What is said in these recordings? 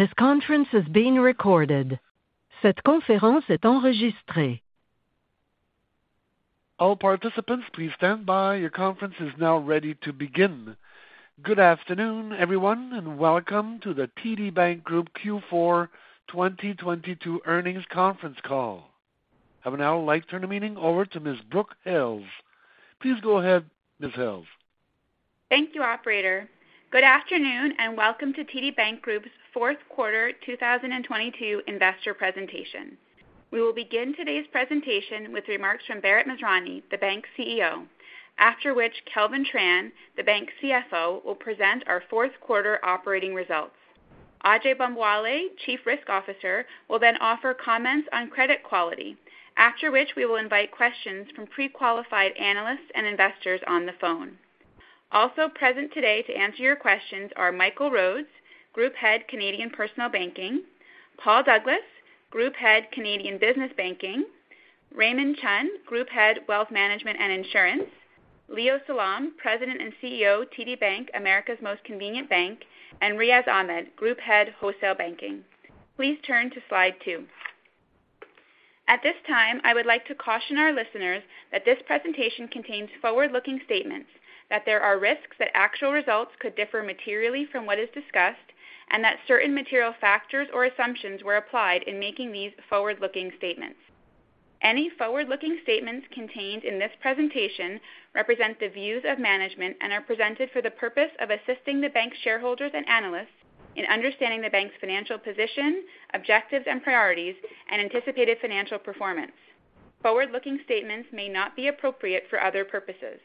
This conference is being recorded. Cette conférence est enregistrée. All participants, please stand by. Your conference is now ready to begin. Good afternoon, everyone, and welcome to the TD Bank Group Q4 2022 earnings conference call. I will now like to turn the meeting over to Ms. Brooke Hales. Please go ahead, Ms. Hales. Thank you, operator. Good afternoon and welcome to TD Bank Group's fourth quarter 2022 investor presentation. We will begin today's presentation with remarks from Bharat Masrani, the bank's CEO, after which Kelvin Tran, the bank's CFO, will present our fourth quarter operating results. Ajai Bambawale, Chief Risk Officer, will then offer comments on credit quality, after which we will invite questions from pre-qualified analysts and investors on the phone. Also present today to answer your questions are Michael Rhodes, Group Head, Canadian Personal Banking, Paul Douglas, Group Head, Canadian Business Banking, Raymond Chun, Group Head, Wealth Management and Insurance, Leo Salom, President and CEO, TD Bank, America's Most Convenient Bank, and Riaz Ahmed, Group Head, Wholesale Banking. Please turn to slide two. At this time, I would like to caution our listeners that this presentation contains forward-looking statements, that there are risks that actual results could differ materially from what is discussed, and that certain material factors or assumptions were applied in making these forward-looking statements. Any forward-looking statements contained in this presentation represent the views of management and are presented for the purpose of assisting the bank's shareholders and analysts in understanding the bank's financial position, objectives and priorities and anticipated financial performance. Forward-looking statements may not be appropriate for other purposes.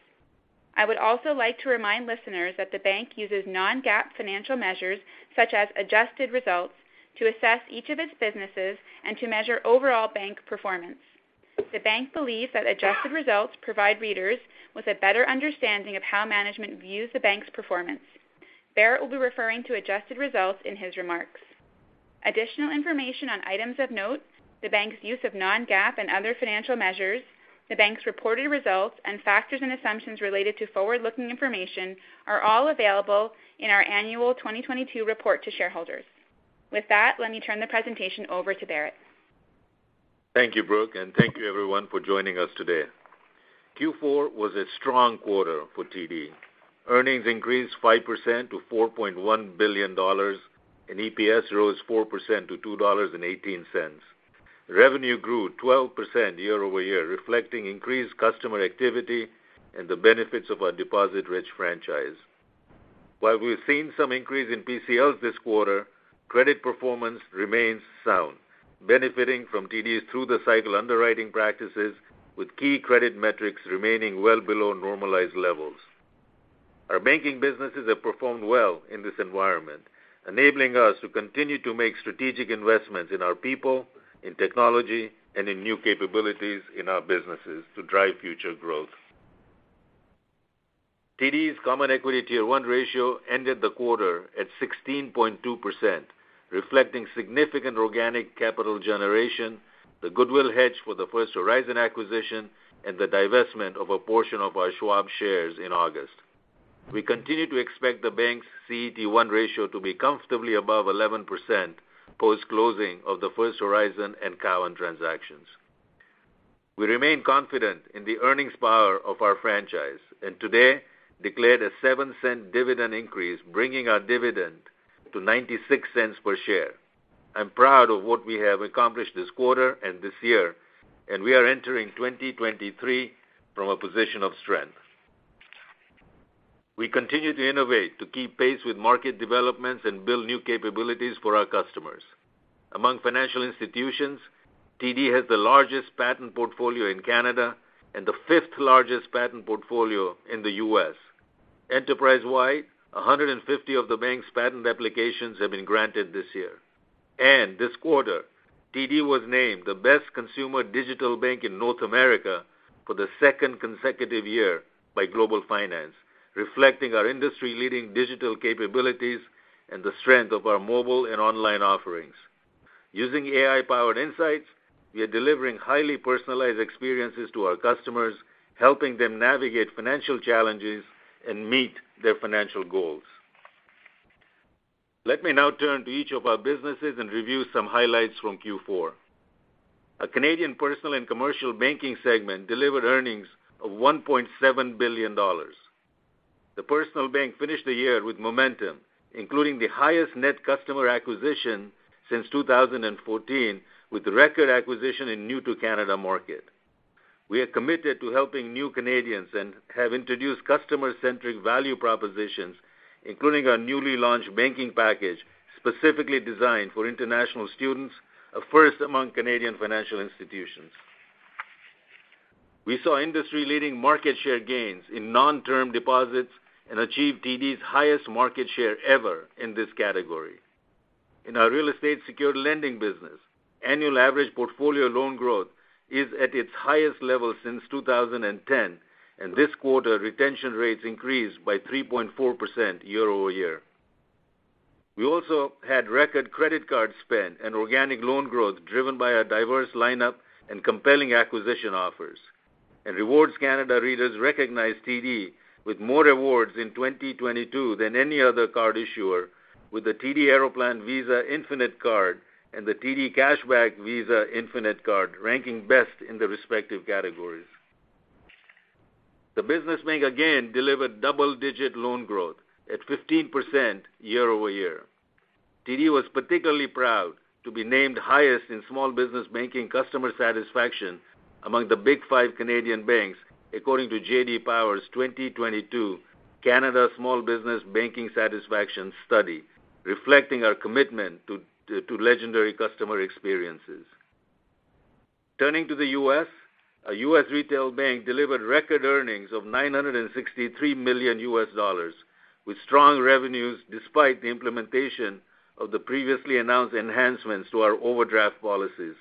I would also like to remind listeners that the bank uses non-GAAP financial measures, such as adjusted results, to assess each of its businesses and to measure overall bank performance. The bank believes that adjusted results provide readers with a better understanding of how management views the bank's performance. Bharat will be referring to adjusted results in his remarks. Additional information on items of note, the bank's use of non-GAAP and other financial measures, the bank's reported results and factors and assumptions related to forward-looking information are all available in our annual 2022 report to shareholders. With that, let me turn the presentation over to Bharat. Thank you, Brooke, and thank you everyone for joining us today. Q4 was a strong quarter for TD. Earnings increased 5% to $4.1 billion, and EPS rose 4% to $2.18. Revenue grew 12% year-over-year, reflecting increased customer activity and the benefits of our deposit-rich franchise. While we've seen some increase in PCLs this quarter, credit performance remains sound, benefiting from TD's through-the-cycle underwriting practices with key credit metrics remaining well below normalized levels. Our banking businesses have performed well in this environment, enabling us to continue to make strategic investments in our people, in technology, and in new capabilities in our businesses to drive future growth. TD's common equity Tier 1 ratio ended the quarter at 16.2%, reflecting significant organic capital generation, the goodwill hedge for the First Horizon acquisition, and the divestment of a portion of our Schwab shares in August. We continue to expect the bank's CET1 ratio to be comfortably above 11% post-closing of the First Horizon and Cowen transactions. We remain confident in the earnings power of our franchise and today declared a 0.07 dividend increase, bringing our dividend to 0.96 per share. I'm proud of what we have accomplished this quarter and this year, and we are entering 2023 from a position of strength. We continue to innovate to keep pace with market developments and build new capabilities for our customers. Among financial institutions, TD has the largest patent portfolio in Canada and the fifth-largest patent portfolio in the U.S. Enterprise-wide, 150 of the bank's patent applications have been granted this year. This quarter, TD was named the best consumer digital bank in North America for the second consecutive year by Global Finance, reflecting our industry-leading digital capabilities and the strength of our mobile and online offerings. Using AI-powered insights, we are delivering highly personalized experiences to our customers, helping them navigate financial challenges and meet their financial goals. Let me now turn to each of our businesses and review some highlights from Q4. Our Canadian Personal and Commercial Banking segment delivered earnings of 1.7 billion dollars. The personal bank finished the year with momentum, including the highest net customer acquisition since 2014, with record acquisition in new to Canada market. We are committed to helping new Canadians and have introduced customer-centric value propositions, including our newly launched banking package, specifically designed for international students, a first among Canadian financial institutions. We saw industry-leading market share gains in non-term deposits and achieved TD's highest market share ever in this category. In our real estate secured lending business, annual average portfolio loan growth is at its highest level since 2010, and this quarter, retention rates increased by 3.4% year-over-year. We also had record credit card spend and organic loan growth driven by our diverse lineup and compelling acquisition offers. Rewards Canada readers recognize TD with more rewards in 2022 than any other card issuer, with the TD Aeroplan Visa Infinite Card and the TD Cash Back Visa Infinite Card ranking best in the respective categories. The business bank again delivered double-digit loan growth at 15% year-over-year. TD was particularly proud to be named highest in small business banking customer satisfaction among the big five Canadian banks, according to J.D. Power's 2022 Canada Small Business Banking Satisfaction study, reflecting our commitment to legendary customer experiences. Turning to the U.S., our U.S. Retail Bank delivered record earnings of $963 million, with strong revenues despite the implementation of the previously announced enhancements to our overdraft policies,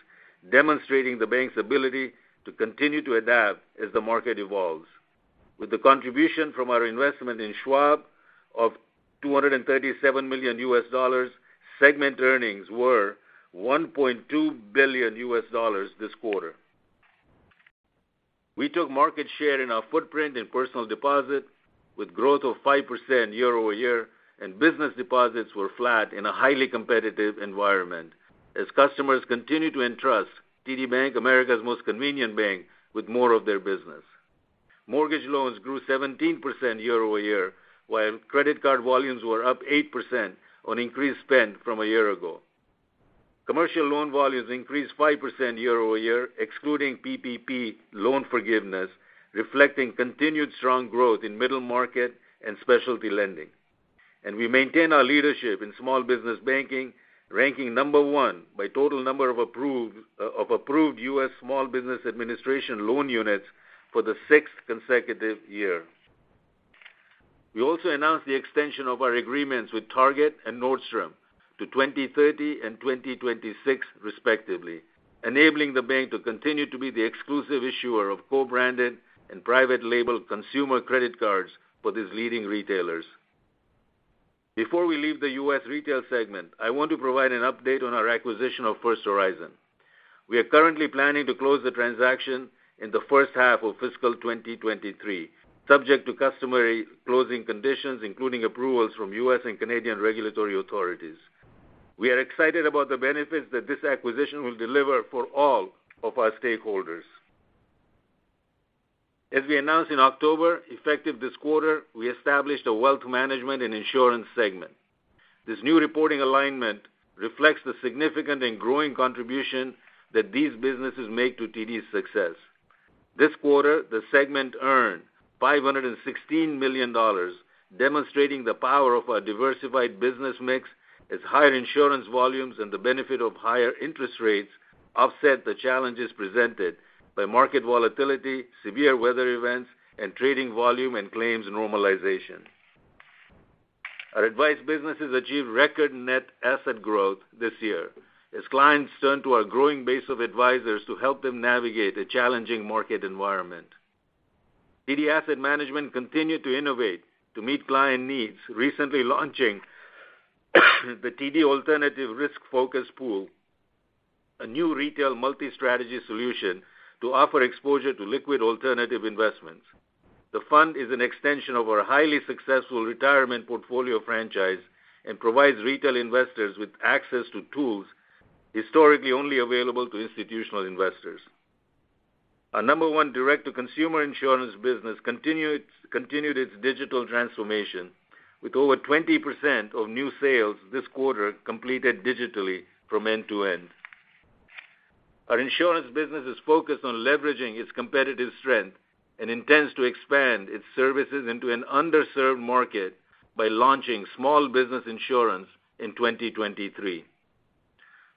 demonstrating the bank's ability to continue to adapt as the market evolves. With the contribution from our investment in Schwab of $237 million, segment earnings were $1.2 billion this quarter. We took market share in our footprint in personal deposits with growth of 5% year-over-year, and business deposits were flat in a highly competitive environment as customers continued to entrust TD Bank, America's Most Convenient Bank, with more of their business. Mortgage loans grew 17% year-over-year, while credit card volumes were up 8% on increased spend from a year ago. Commercial loan volumes increased 5% year-over-year, excluding PPP loan forgiveness, reflecting continued strong growth in middle market and specialty lending. We maintain our leadership in small business banking, ranking number one by total number of approved U.S. Small Business Administration loan units for the sixth consecutive year. We also announced the extension of our agreements with Target and Nordstrom to 2030 and 2026 respectively, enabling the bank to continue to be the exclusive issuer of co-branded and private label consumer credit cards for these leading retailers. Before we leave the U.S. Retail segment, I want to provide an update on our acquisition of First Horizon. We are currently planning to close the transaction in the first half of fiscal 2023, subject to customary closing conditions, including approvals from U.S. and Canadian regulatory authorities. We are excited about the benefits that this acquisition will deliver for all of our stakeholders. As we announced in October, effective this quarter, we established a wealth management and insurance segment. This new reporting alignment reflects the significant and growing contribution that these businesses make to TD's success. This quarter, the segment earned 516 million dollars, demonstrating the power of our diversified business mix as higher insurance volumes and the benefit of higher interest rates offset the challenges presented by market volatility, severe weather events, and trading volume and claims normalization. Our advice businesses achieved record net asset growth this year as clients turn to our growing base of advisors to help them navigate a challenging market environment. TD Asset Management continued to innovate to meet client needs, recently launching the TD Alternative Risk Focused Pool, a new retail multi-strategy solution to offer exposure to liquid alternative investments. The fund is an extension of our highly successful retirement portfolio franchise and provides retail investors with access to tools historically only available to institutional investors. Our number one direct-to-consumer insurance business continued its digital transformation, with over 20% of new sales this quarter completed digitally from end to end. Our insurance business is focused on leveraging its competitive strength and intends to expand its services into an underserved market by launching small business insurance in 2023.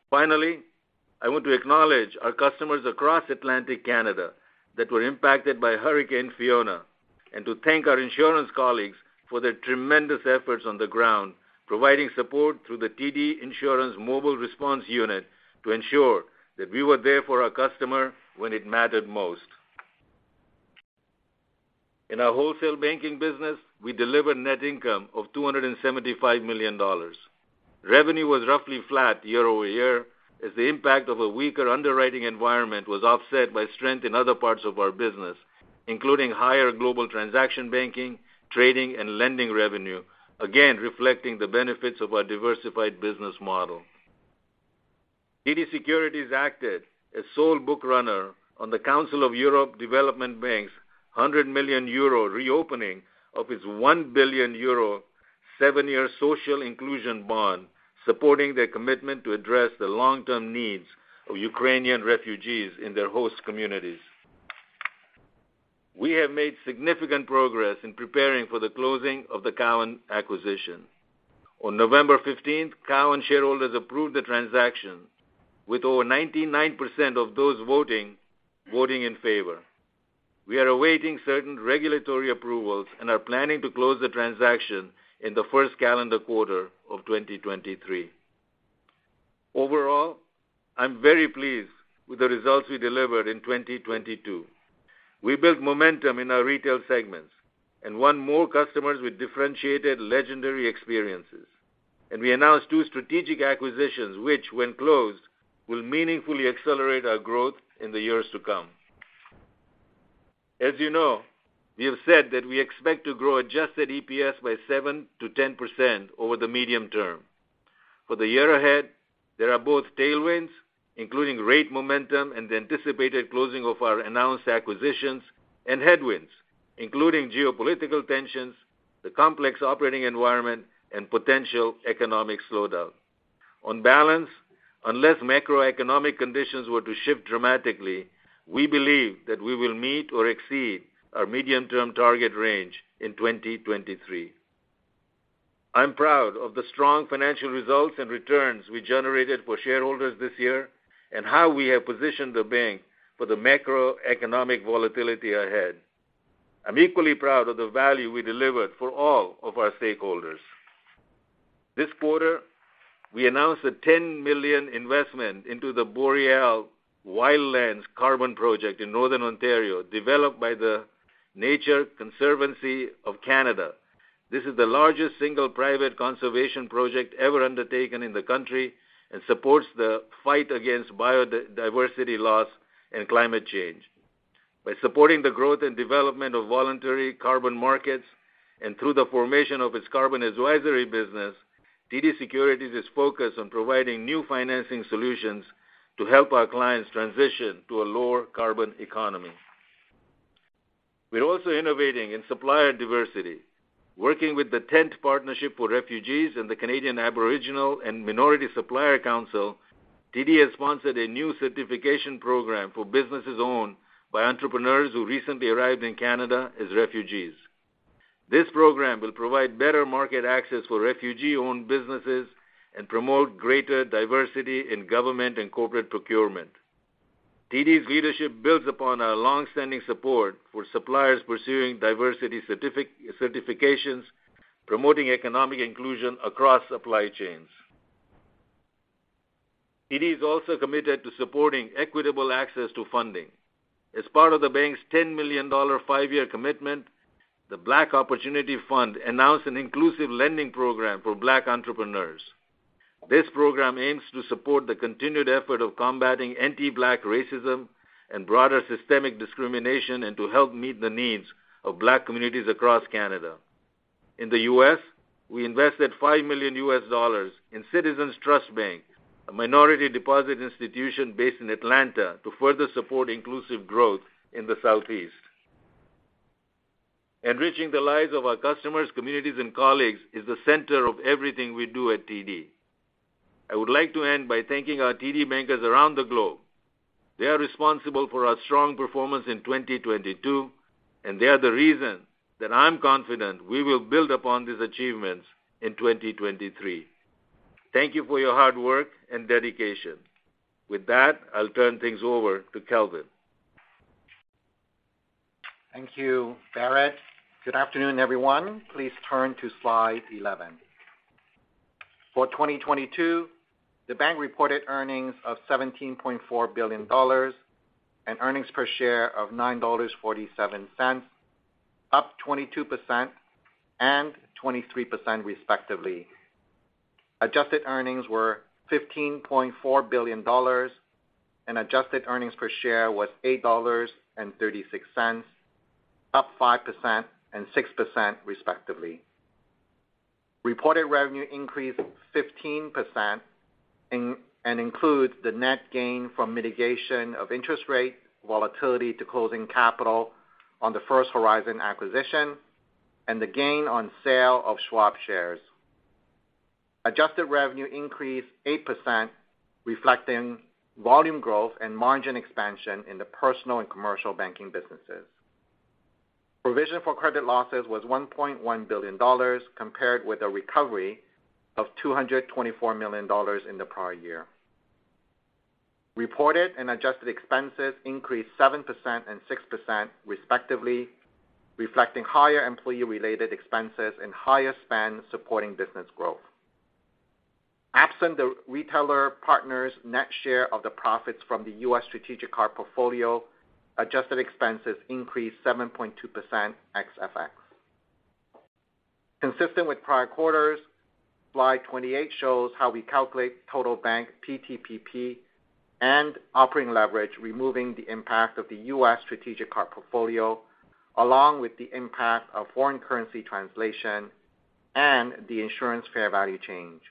Finally, I want to acknowledge our customers across Atlantic Canada that were impacted by Hurricane Fiona and to thank our insurance colleagues for their tremendous efforts on the ground, providing support through the TD Insurance Mobile Response Unit to ensure that we were there for our customer when it mattered most. In our Wholesale Banking business, we delivered net income of $275 million. Revenue was roughly flat year-over-year as the impact of a weaker underwriting environment was offset by strength in other parts of our business, including higher global transaction banking, trading, and lending revenue, again reflecting the benefits of our diversified business model. TD Securities acted as sole book runner on the Council of Europe Development Bank's 100 million euro reopening of its 1 billion euro seven-year social inclusion bond, supporting their commitment to address the long-term needs of Ukrainian refugees in their host communities. We have made significant progress in preparing for the closing of the Cowen acquisition. On November 15th, Cowen shareholders approved the transaction with over 99% of those voting in favor. We are awaiting certain regulatory approvals and are planning to close the transaction in the first calendar quarter of 2023. Overall, I'm very pleased with the results we delivered in 2022. We built momentum in our retail segments and won more customers with differentiated, legendary experiences. We announced two strategic acquisitions, which when closed, will meaningfully accelerate our growth in the years to come. You know, we have said that we expect to grow adjusted EPS by 7% to 10% over the medium term. For the year ahead, there are both tailwinds, including rate momentum and the anticipated closing of our announced acquisitions and headwinds, including geopolitical tensions, the complex operating environment and potential economic slowdown. On balance, unless macroeconomic conditions were to shift dramatically, we believe that we will meet or exceed our medium-term target range in 2023. I'm proud of the strong financial results and returns we generated for shareholders this year, and how we have positioned the bank for the macroeconomic volatility ahead. I'm equally proud of the value we delivered for all of our stakeholders. This quarter, we announced a $10 million investment into the Boreal Wildlands carbon project in Northern Ontario, developed by the Nature Conservancy of Canada. This is the largest single private conservation project ever undertaken in the country and supports the fight against biodiversity loss and climate change. By supporting the growth and development of voluntary carbon markets and through the formation of its carbon advisory business, TD Securities is focused on providing new financing solutions to help our clients transition to a lower carbon economy. We're also innovating in supplier diversity. Working with the Tent Partnership for Refugees and the Canadian Aboriginal and Minority Supplier Council, TD has sponsored a new certification program for businesses owned by entrepreneurs who recently arrived in Canada as refugees. This program will provide better market access for refugee-owned businesses and promote greater diversity in government and corporate procurement. TD's leadership builds upon our long-standing support for suppliers pursuing diversity certifications, promoting economic inclusion across supply chains. TD is also committed to supporting equitable access to funding. As part of the bank's $10 million five-year commitment, the Black Opportunity Fund announced an inclusive lending program for Black entrepreneurs. This program aims to support the continued effort of combating anti-Black racism and broader systemic discrimination, and to help meet the needs of Black communities across Canada. In the U.S., we invested $5 million U.S. dollars in Citizens Trust Bank, a minority deposit institution based in Atlanta, to further support inclusive growth in the Southeast. Enriching the lives of our customers, communities and colleagues is the center of everything we do at TD. I would like to end by thanking our TD bankers around the globe. They are responsible for our strong performance in 2022, and they are the reason that I'm confident we will build upon these achievements in 2023. Thank you for your hard work and dedication. With that, I'll turn things over to Kelvin. Thank you, Bharat. Good afternoon, everyone. Please turn to slide 11. For 2022, the bank reported earnings of CAD $17.4 billion and earnings per share of CAD $9.47, up 22% and 23% respectively. Adjusted earnings were CAD $15.4 billion, and adjusted earnings per share was CAD $8.36, up 5% and 6% respectively. Reported revenue increased 15%, and includes the net gain from mitigation of interest rate volatility to closing capital on the First Horizon acquisition and the gain on sale of Schwab shares. Adjusted revenue increased 8%, reflecting volume growth and margin expansion in the personal and commercial banking businesses. Provision for credit losses was CAD $1.1 billion, compared with a recovery of CAD $224 million in the prior year. Reported and adjusted expenses increased 7% and 6% respectively, reflecting higher employee-related expenses and higher spend supporting business growth. Absent the retailer partners net share of the profits from the U.S. strategic card portfolio, adjusted expenses increased 7.2% ex FX. Consistent with prior quarters, slide 28 shows how we calculate total bank PTPP and operating leverage, removing the impact of the U.S. strategic card portfolio, along with the impact of foreign currency translation and the insurance fair value change.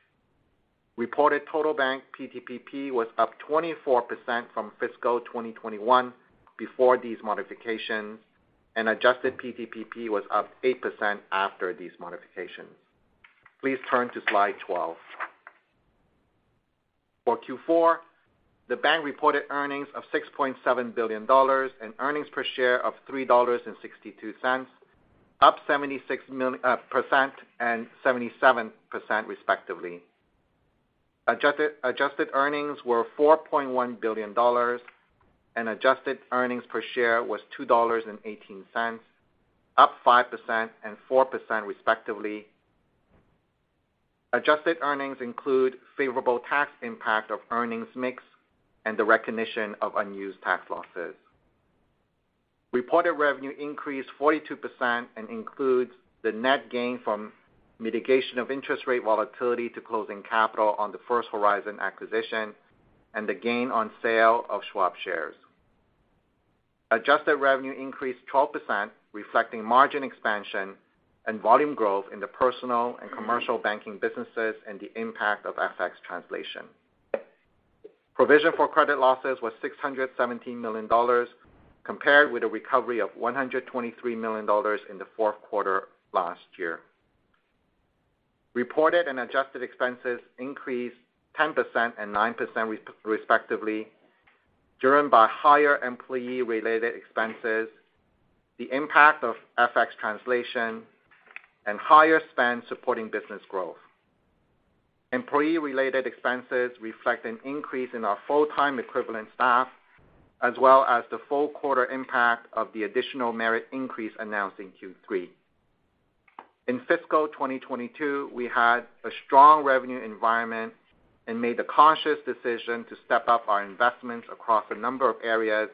Reported total bank PTPP was up 24% from fiscal 2021 before these modifications, and adjusted PTPP was up 8% after these modifications. Please turn to slide 12. For Q4, the bank reported earnings of $6.7 billion and earnings per share of $3.62, up 76% and 77% respectively. Adjusted earnings were 4.1 billion dollars. Adjusted earnings per share was 2.18 dollars, up 5% and 4% respectively. Adjusted earnings include favorable tax impact of earnings mix and the recognition of unused tax losses. Reported revenue increased 42% and includes the net gain from mitigation of interest rate volatility to closing capital on the First Horizon acquisition and the gain on sale of Schwab shares. Adjusted revenue increased 12%, reflecting margin expansion and volume growth in the personal and commercial banking businesses and the impact of FX translation. Provision for credit losses was 617 million dollars, compared with a recovery of 123 million dollars in the fourth quarter last year. Reported and adjusted expenses increased 10% and 9% respectively, driven by higher employee-related expenses, the impact of FX translation, and higher spend supporting business growth. Employee-related expenses reflect an increase in our full-time equivalent staff, as well as the full quarter impact of the additional merit increase announced in Q3. In fiscal 2022, we had a strong revenue environment and made the conscious decision to step up our investments across a number of areas,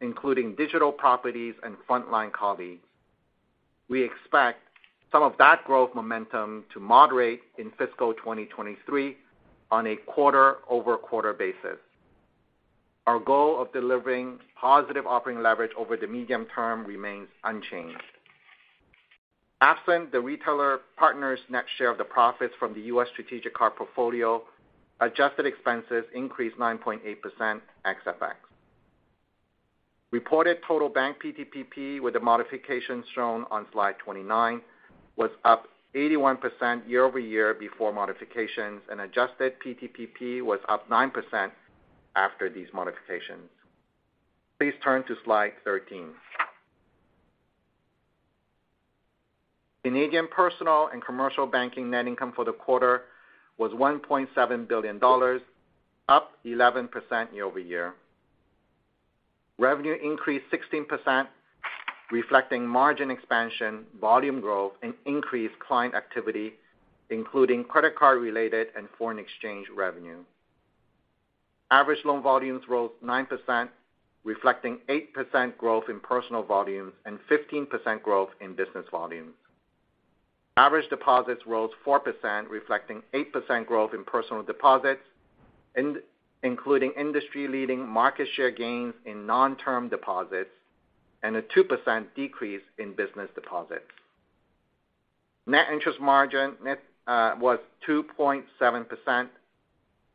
including digital properties and frontline colleagues. We expect some of that growth momentum to moderate in fiscal 2023 on a quarter-over-quarter basis. Our goal of delivering positive operating leverage over the medium term remains unchanged. Absent the retailer partners net share of the profits from the U.S. strategic card portfolio, adjusted expenses increased 9.8% ex FX. Reported total bank PTPP with the modifications shown on slide 29 was up 81% year-over-year before modifications. Adjusted PTPP was up 9% after these modifications. Please turn to slide 13. Canadian Personal and Commercial Banking net income for the quarter was 1.7 billion dollars, up 11% year-over-year. Revenue increased 16%, reflecting margin expansion, volume growth, and increased client activity, including credit card-related and foreign exchange revenue. Average loan volumes rose 9%, reflecting 8% growth in personal volumes and 15% growth in business volumes. Average deposits rose 4%, reflecting 8% growth in personal deposits, including industry-leading market share gains in non-term deposits and a 2% decrease in business deposits. Net interest margin was 2.7%,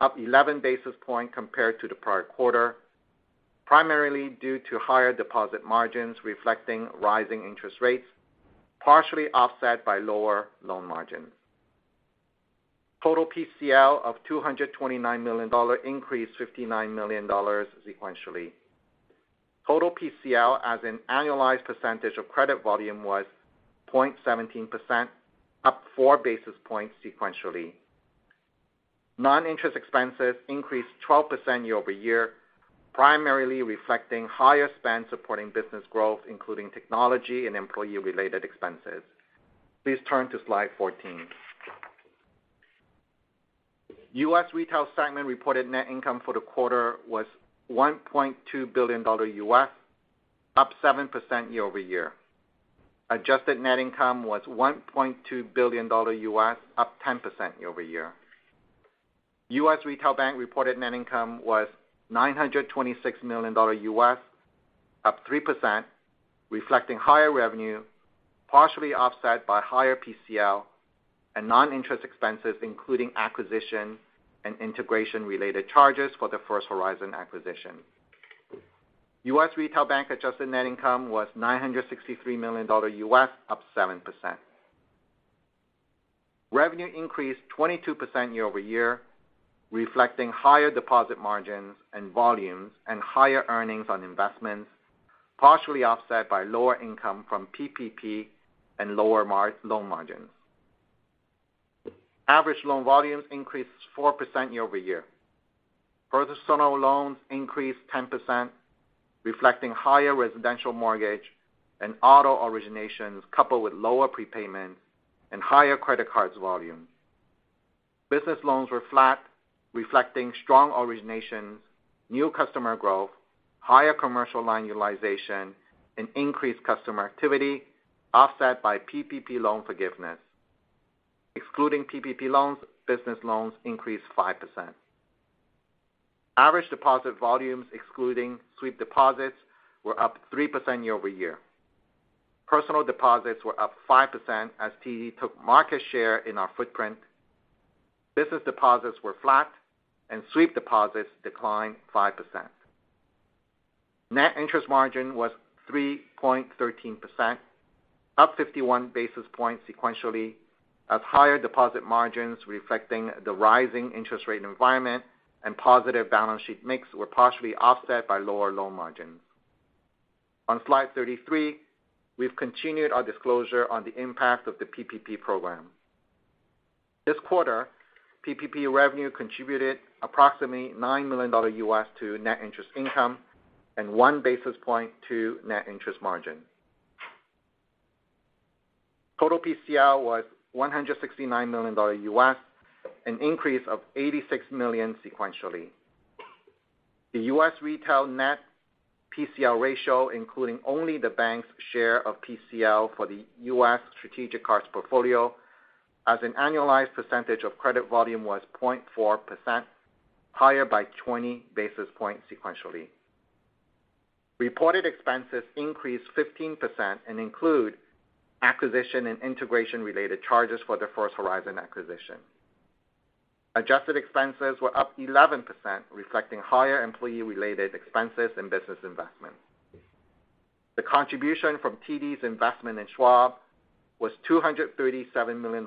up 11 basis points compared to the prior quarter, primarily due to higher deposit margins reflecting rising interest rates, partially offset by lower loan margins. Total PCL of $229 million increased $59 million sequentially. Total PCL as an annualized percentage of credit volume was 0.17%, up 4 basis points sequentially. Non-interest expenses increased 12% year-over-year, primarily reflecting higher spend supporting business growth, including technology and employee-related expenses. Please turn to slide 14. U.S. Retail segment reported net income for the quarter was $1.2 billion U.S., up 7% year-over-year. Adjusted net income was $1.2 billion U.S., up 10% year-over-year. U.S. Retail Bank reported net income was $926 million dollar U.S., up 3%, reflecting higher revenue, partially offset by higher PCL and non-interest expenses, including acquisition and integration-related charges for the First Horizon acquisition. U.S. Retail Bank adjusted net income was $963 million dollar U.S., up 7%. Revenue increased 22% year-over-year, reflecting higher deposit margins and volumes and higher earnings on investments, partially offset by lower income from PPP and lower loan margins. Average loan volumes increased 4% year-over-year. Personal loans increased 10%, reflecting higher residential mortgage and auto originations, coupled with lower prepayments and higher credit cards volumes. Business loans were flat, reflecting strong originations, new customer growth, higher commercial line utilization, and increased customer activity offset by PPP loan forgiveness. Excluding PPP loans, business loans increased 5%. Average deposit volumes, excluding sweep deposits, were up 3% year-over-year. Personal deposits were up 5% as TD took market share in our footprint. Business deposits were flat. Sweep deposits declined 5%. Net interest margin was 3.13%, up 51 basis points sequentially as higher deposit margins reflecting the rising interest rate environment and positive balance sheet mix were partially offset by lower loan margins. On slide 33, we've continued our disclosure on the impact of the PPP program. This quarter, PPP revenue contributed approximately $9 million to net interest income and 1 basis point to net interest margin. Total PCL was $169 million, an increase of $86 million sequentially. The U.S. Retail net PCL ratio, including only the bank's share of PCL for the U.S. strategic cards portfolio as an annualized percentage of credit volume was 0.4%, higher by 20 basis points sequentially. Reported expenses increased 15% and include acquisition and integration-related charges for the First Horizon acquisition. Adjusted expenses were up 11%, reflecting higher employee-related expenses and business investments. The contribution from TD's investment in Schwab was $237 million,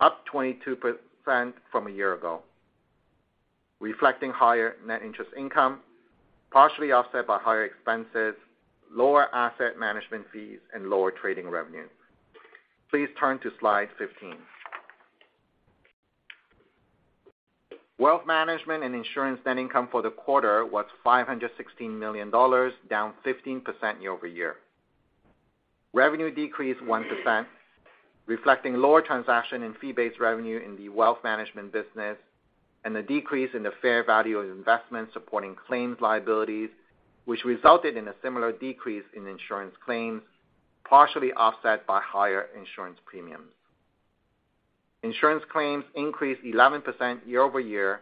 up 22% from a year ago, reflecting higher net interest income, partially offset by higher expenses, lower asset management fees, and lower trading revenue. Please turn to slide 15. Wealth management and insurance net income for the quarter was $516 million, down 15% year-over-year. Revenue decreased 1%, reflecting lower transaction and fee-based revenue in the wealth management business, and a decrease in the fair value of investments supporting claims liabilities, which resulted in a similar decrease in insurance claims, partially offset by higher insurance premiums. Insurance claims increased 11% year-over-year,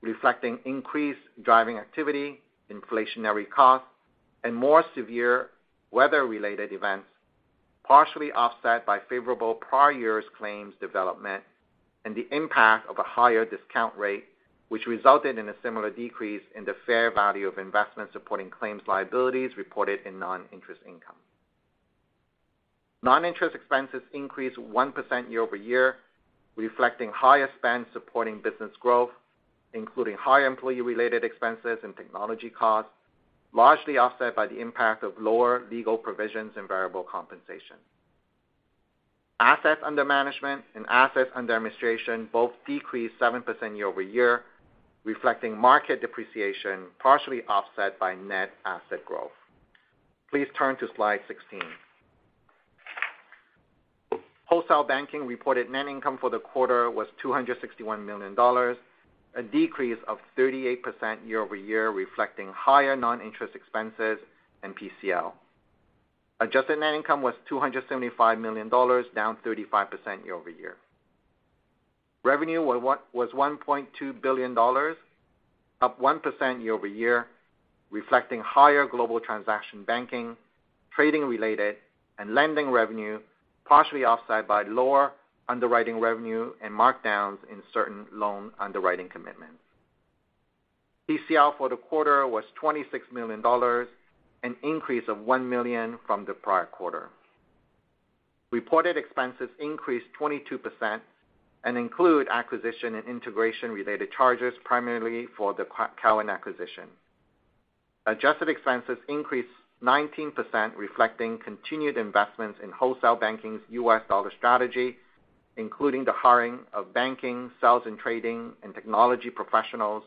reflecting increased driving activity, inflationary costs, and more severe weather-related events, partially offset by favorable prior years' claims development and the impact of a higher discount rate, which resulted in a similar decrease in the fair value of investment supporting claims liabilities reported in non-interest income. Non-interest expenses increased 1% year-over-year, reflecting higher spends supporting business growth, including higher employee-related expenses and technology costs, largely offset by the impact of lower legal provisions and variable compensation. Assets under management and assets under administration both decreased 7% year-over-year, reflecting market depreciation, partially offset by net asset growth. Please turn to slide 16. Wholesale Banking reported net income for the quarter was $261 million, a decrease of 38% year-over-year, reflecting higher non-interest expenses and PCL. Adjusted net income was $275 million, down 35% year-over-year. Revenue was $1.2 billion, up 1% year-over-year, reflecting higher global transaction banking, trading-related and lending revenue, partially offset by lower underwriting revenue and markdowns in certain loan underwriting commitments. PCL for the quarter was $26 million, an increase of $1 million from the prior quarter. Reported expenses increased 22% and include acquisition and integration-related charges, primarily for the Cowen acquisition. Adjusted expenses increased 19%, reflecting continued investments in Wholesale Banking's U.S. dollar strategy, including the hiring of banking, sales and trading, and technology professionals,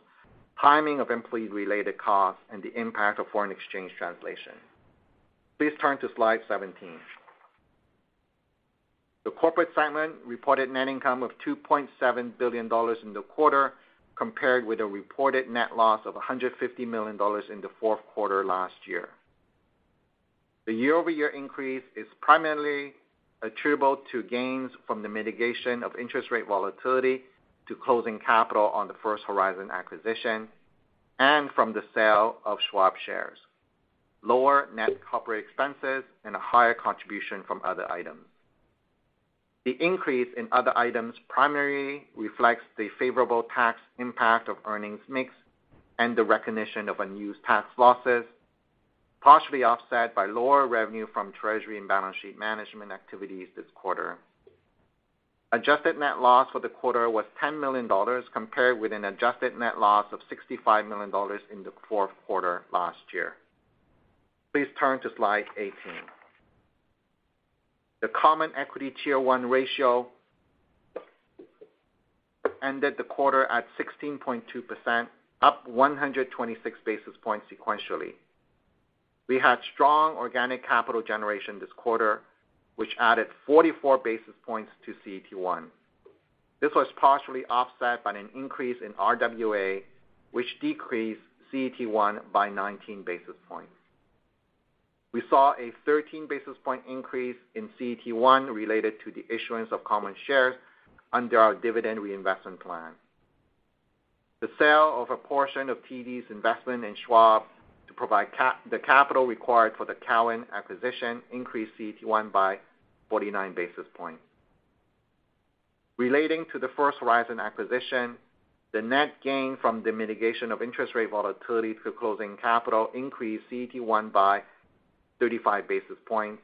timing of employee-related costs, and the impact of foreign exchange translation. Please turn to slide 17. The corporate segment reported net income of $2.7 billion in the quarter, compared with a reported net loss of $150 million in the fourth quarter last year. The year-over-year increase is primarily attributable to gains from the mitigation of interest rate volatility to closing capital on the First Horizon acquisition and from the sale of Schwab shares, lower net corporate expenses, and a higher contribution from other items. The increase in other items primarily reflects the favorable tax impact of earnings mix and the recognition of unused tax losses, partially offset by lower revenue from treasury and balance sheet management activities this quarter. Adjusted net loss for the quarter was 10 million dollars, compared with an adjusted net loss of 65 million dollars in the fourth quarter last year. Please turn to slide 18. The Common Equity Tier One ratio ended the quarter at 16.2%, up 126 basis points sequentially. We had strong organic capital generation this quarter, which added 44 basis points to CET1. This was partially offset by an increase in RWA, which decreased CET1 by 19 basis points. We saw a 13 basis point increase in CET1 related to the issuance of common shares under our dividend reinvestment plan. The sale of a portion of TD's investment in Schwab to provide the capital required for the Cowen acquisition increased CET1 by 49 basis points. Relating to the First Horizon acquisition, the net gain from the mitigation of interest rate volatility through closing capital increased CET1 by 35 basis points,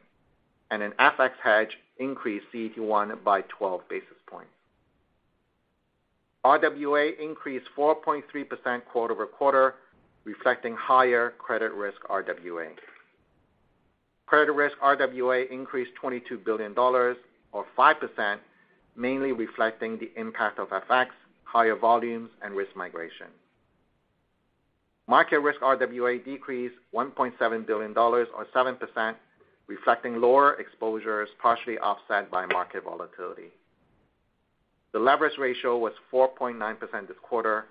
and an FX hedge increased CET1 by 12 basis points. RWA increased 4.3% quarter-over-quarter, reflecting higher credit risk RWA. Credit risk RWA increased $22 billion or 5%, mainly reflecting the impact of FX, higher volumes, and risk migration. Market risk RWA decreased $1.7 billion or 7%, reflecting lower exposures partially offset by market volatility. The leverage ratio was 4.9% this quarter,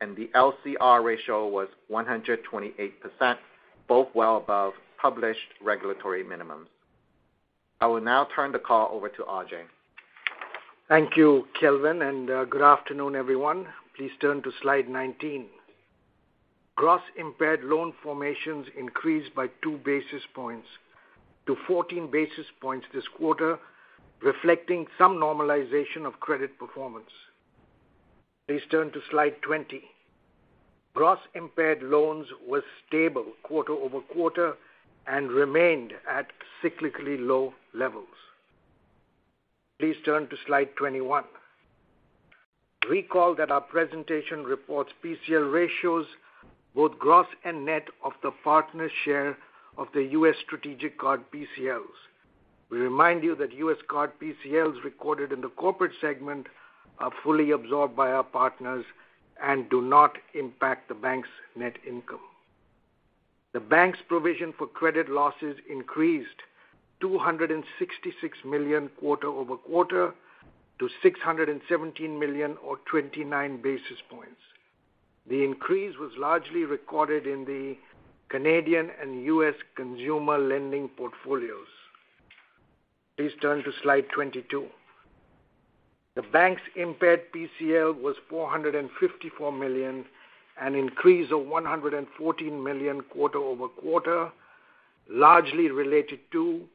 and the LCR ratio was 128%, both well above published regulatory minimums. I will now turn the call over to Ajai. Thank you, Kelvin. Good afternoon, everyone. Please turn to slide 19. Gross impaired loan formations increased by 2 basis points to 14 basis points this quarter, reflecting some normalization of credit performance. Please turn to slide 20. Gross impaired loans were stable quarter-over-quarter and remained at cyclically low levels. Please turn to slide 21. Recall that our presentation reports PCL ratios both gross and net of the partner share of the U.S. strategic card PCLs. We remind you that U.S. card PCLs recorded in the corporate segment are fully absorbed by our partners and do not impact the bank's net income. The bank's provision for credit losses increased $266 million quarter-over-quarter to $617 million or 29 basis points. The increase was largely recorded in the Canadian and U.S. consumer lending portfolios. Please turn to slide 22. The bank's impaired PCL was 454 million, an increase of 114 million quarter-over-quarter, largely related to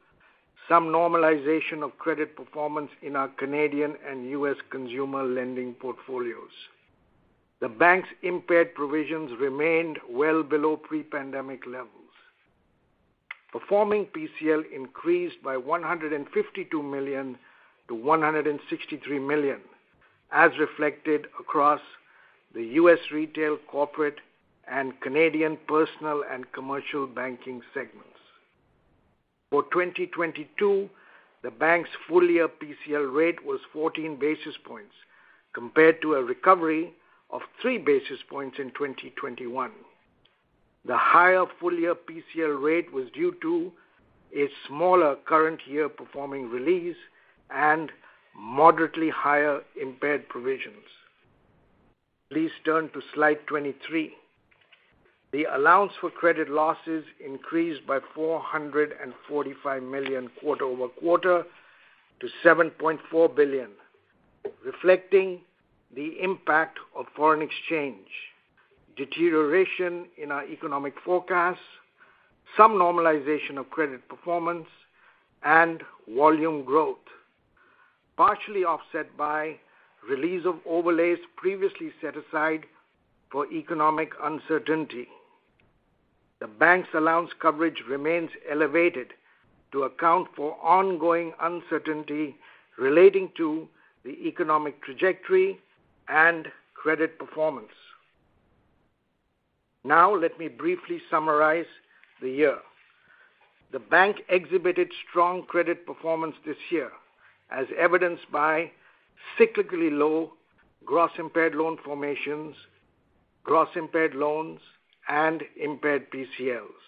some normalization of credit performance in our Canadian and U.S. consumer lending portfolios. The bank's impaired provisions remained well below pre-pandemic levels. Performing PCL increased by 152 million to 163 million, as reflected across the U.S. Retail, Corporate, and Canadian Personal and Commercial Banking segments. For 2022, the bank's full-year PCL rate was 14 basis points compared to a recovery of 3 basis points in 2021. The higher full-year PCL rate was due to a smaller current year performing release and moderately higher impaired provisions. Please turn to slide 23. The allowance for credit losses increased by $445 million quarter-over-quarter to $7.4 billion, reflecting the impact of foreign exchange, deterioration in our economic forecasts, some normalization of credit performance, and volume growth, partially offset by release of overlays previously set aside for economic uncertainty. The bank's allowance coverage remains elevated to account for ongoing uncertainty relating to the economic trajectory and credit performance. Now, let me briefly summarize the year. The bank exhibited strong credit performance this year, as evidenced by cyclically low gross impaired loan formations, gross impaired loans, and impaired PCLs.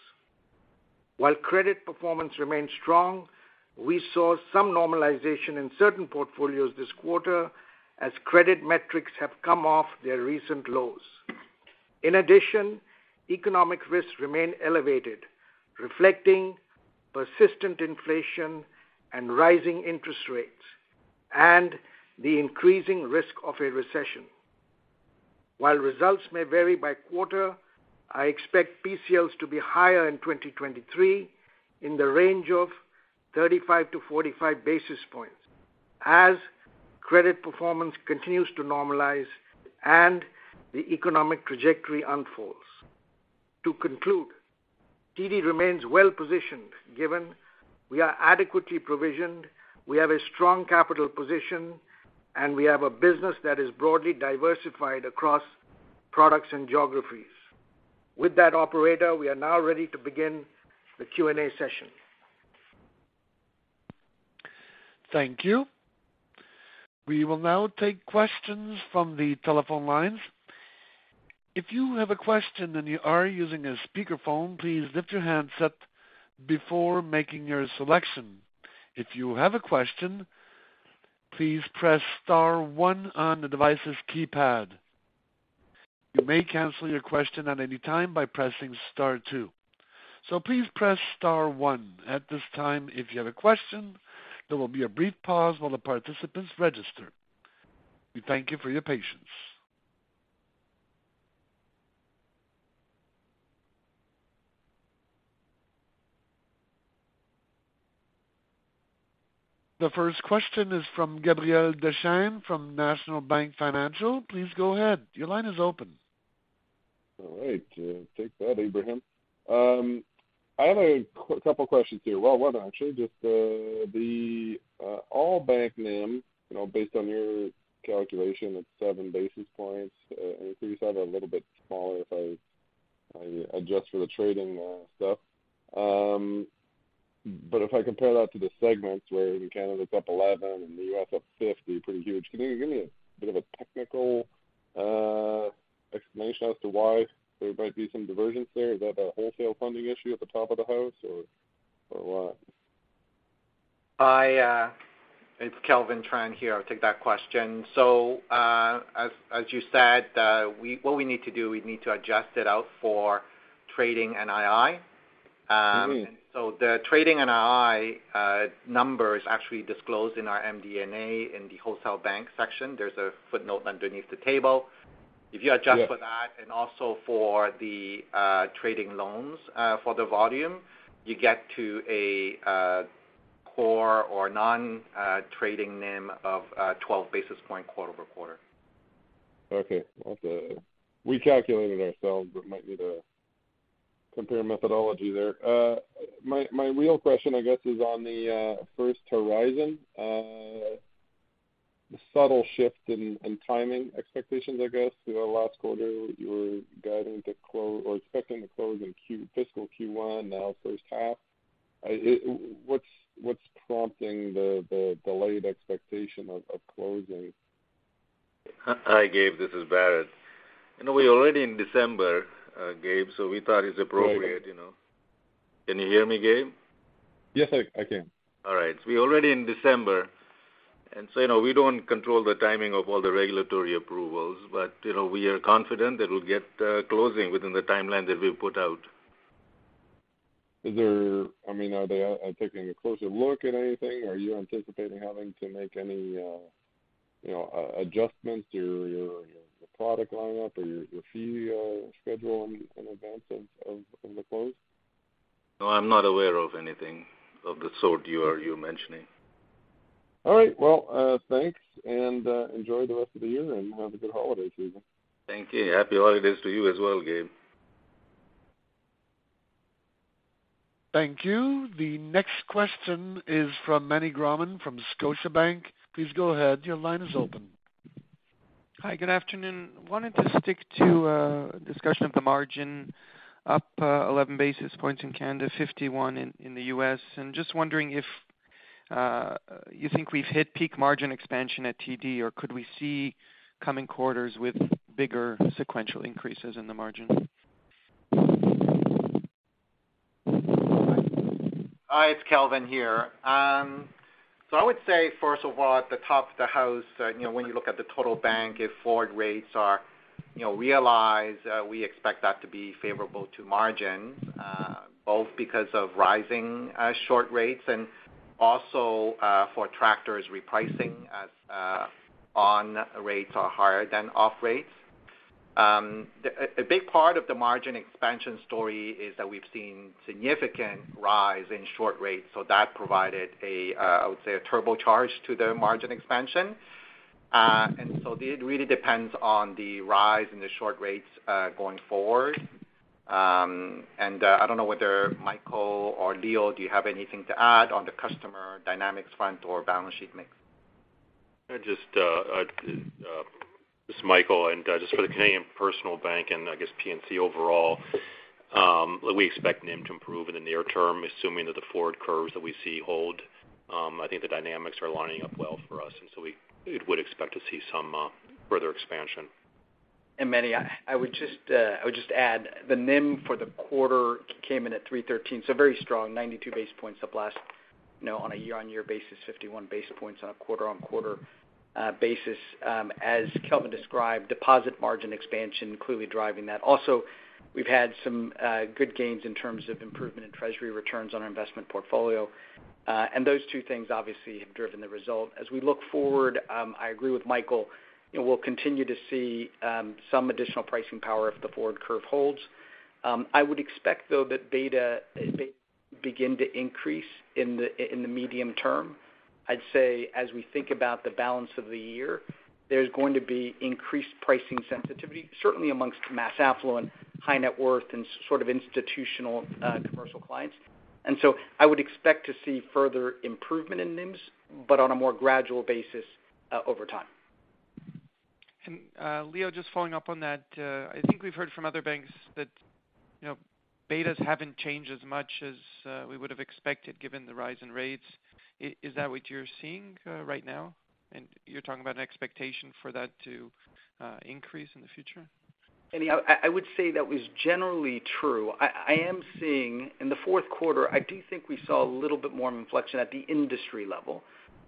While credit performance remains strong, we saw some normalization in certain portfolios this quarter as credit metrics have come off their recent lows. In addition, economic risks remain elevated, reflecting persistent inflation and rising interest rates and the increasing risk of a recession. While results may vary by quarter, I expect PCLs to be higher in 2023 in the range of 35-45 basis points as credit performance continues to normalize and the economic trajectory unfolds. To conclude, TD remains well positioned given we are adequately provisioned, we have a strong capital position, and we have a business that is broadly diversified across products and geographies. With that, operator, we are now ready to begin the Q&A session. Thank you. We will now take questions from the telephone lines. If you have a question and you are using a speakerphone, please lift your handset before making your selection. If you have a question, please press star one on the device's keypad. You may cancel your question at any time by pressing star two. Please press star one at this time if you have a question. There will be a brief pause while the participants register. We thank you for your patience. The first question is from Gabriel Dechaine from National Bank Financial. Please go ahead. Your line is open. All right, thanks for that, Abraham. I have a couple questions here. Well, one actually, just, the all bank NIM, based on your calculation, it's 7 basis points increase. I have it a little bit smaller if I adjust for the trading stuff. If I compare that to the segments where in Canada it's up 11 and the U.S. up 50, pretty huge. Can you give me a bit of a technical explanation as to why there might be some divergence there? Is that a wholesale funding issue at the top of the house or what? Hi, it's Kelvin Tran here. I'll take that question. As you said, what we need to do, we need to adjust it out for trading and II. The trading and II number is actually disclosed in our MD&A in the Wholesale Bank section, there's a footnote underneath the table. If you adjust for that and also for the trading loans, for the volume, you get to a core or non-trading NIM of 12 basis point quarter-over-quarter. Okay. That's. We calculated ourselves, but might need to compare methodology there. My real question, I guess, is on the First Horizon, the subtle shift in timing expectations, I guess. Last quarter, you were guiding or expecting to close in fiscal Q1, now first half. What's prompting the delayed expectation of closing? Hi, Gabe. This is Bharat. We're already in December, Gabe, so we thought it's appropriate. Can you hear me, Gabe? Yes, I can. All right. We're already in December, and so we don't control the timing of all the regulatory approvals. You know, we are confident that we'll get closing within the timeline that we've put out. I mean, are they taking a closer look at anything? Are you anticipating having to make any adjustments to your product lineup or your fee, schedule in advance of the close? No, I'm not aware of anything of the sort you're mentioning. All right. Well, thanks and, enjoy the rest of the year, and have a good holiday season. Thank you. Happy holidays to you as well, Gabe. Thank you. The next question is from Meny Grauman from Scotiabank. Please go ahead. Your line is open. Hi, good afternoon. Wanted to stick to a discussion of the margin up 11 basis points in Canada, 51 in the U.S. Just wondering if you think we've hit peak margin expansion at TD, or could we see coming quarters with bigger sequential increases in the margin? Hi, it's Kelvin here. I would say, first of all, at the top of the house, when you look at the total bank, if forward rates are realized, we expect that to be favorable to margins, both because of rising short rates and also for tractors repricing as on rates are higher than off rates. A big part of the margin expansion story is that we've seen significant rise in short rates, so that provided a, I would say, a turbocharge to the margin expansion. It really depends on the rise in the short rates, going forward. I don't know whether Michael or Leo, do you have anything to add on the customer dynamics front or balance sheet mix? I just, this is Michael. Just for the Canadian Personal Bank and I guess P&C overall, we expect NIM to improve in the near term, assuming that the forward curves that we see hold. I think the dynamics are lining up well for us, and so we would expect to see some further expansion. Meny, I would just add the NIM for the quarter came in at 3.13, so very strong, 92 basis points up last on a year-on-year basis, 51 basis points on a quarter-on-quarter basis. As Kelvin described, deposit margin expansion clearly driving that. Also, we've had some good gains in terms of improvement in treasury returns on our investment portfolio. Those two things obviously have driven the result. As we look forward, I agree with Michael, we'll continue to see some additional pricing power if the forward curve holds. I would expect though that beta may begin to increase in the medium term. I'd say as we think about the balance of the year, there's going to be increased pricing sensitivity, certainly amongst mass affluent, high net worth, and institutional, commercial clients. I would expect to see further improvement in NIMs, but on a more gradual basis, over time. Leo, just following up on that, I think we've heard from other banks that betas haven't changed as much as we would've expected given the rise in rates. Is that what you're seeing right now? You're talking about an expectation for that to increase in the future. I would say that was generally true. I am in the fourth quarter, I do think we saw a little bit more inflection at the industry level.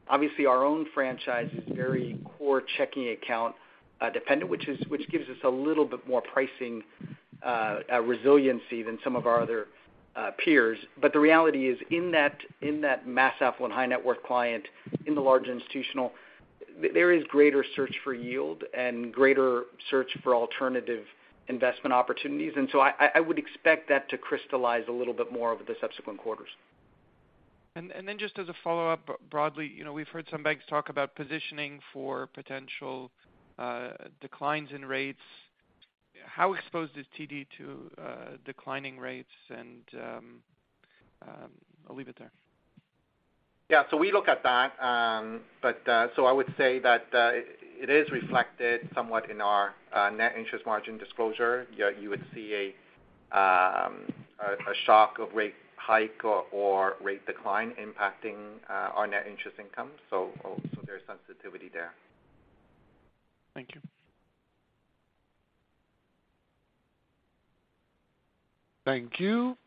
Obviously, our own franchise is very core checking account dependent, which gives us a little bit more pricing resiliency than some of our other peers. The reality is in that, in that mass affluent high net worth client, in the large institutional, there is greater search for yield and greater search for alternative investment opportunities. I, I would expect that to crystallize a little bit more over the subsequent quarters. Just as a follow-up, broadly, we've heard some banks talk about positioning for potential declines in rates. How exposed is TD to declining rates? I'll leave it there. We look at that. I would say that it is reflected somewhat in our net interest margin disclosure. You would see a shock of rate hike or rate decline impacting our net interest income. There's sensitivity there. Thank you. Thank you.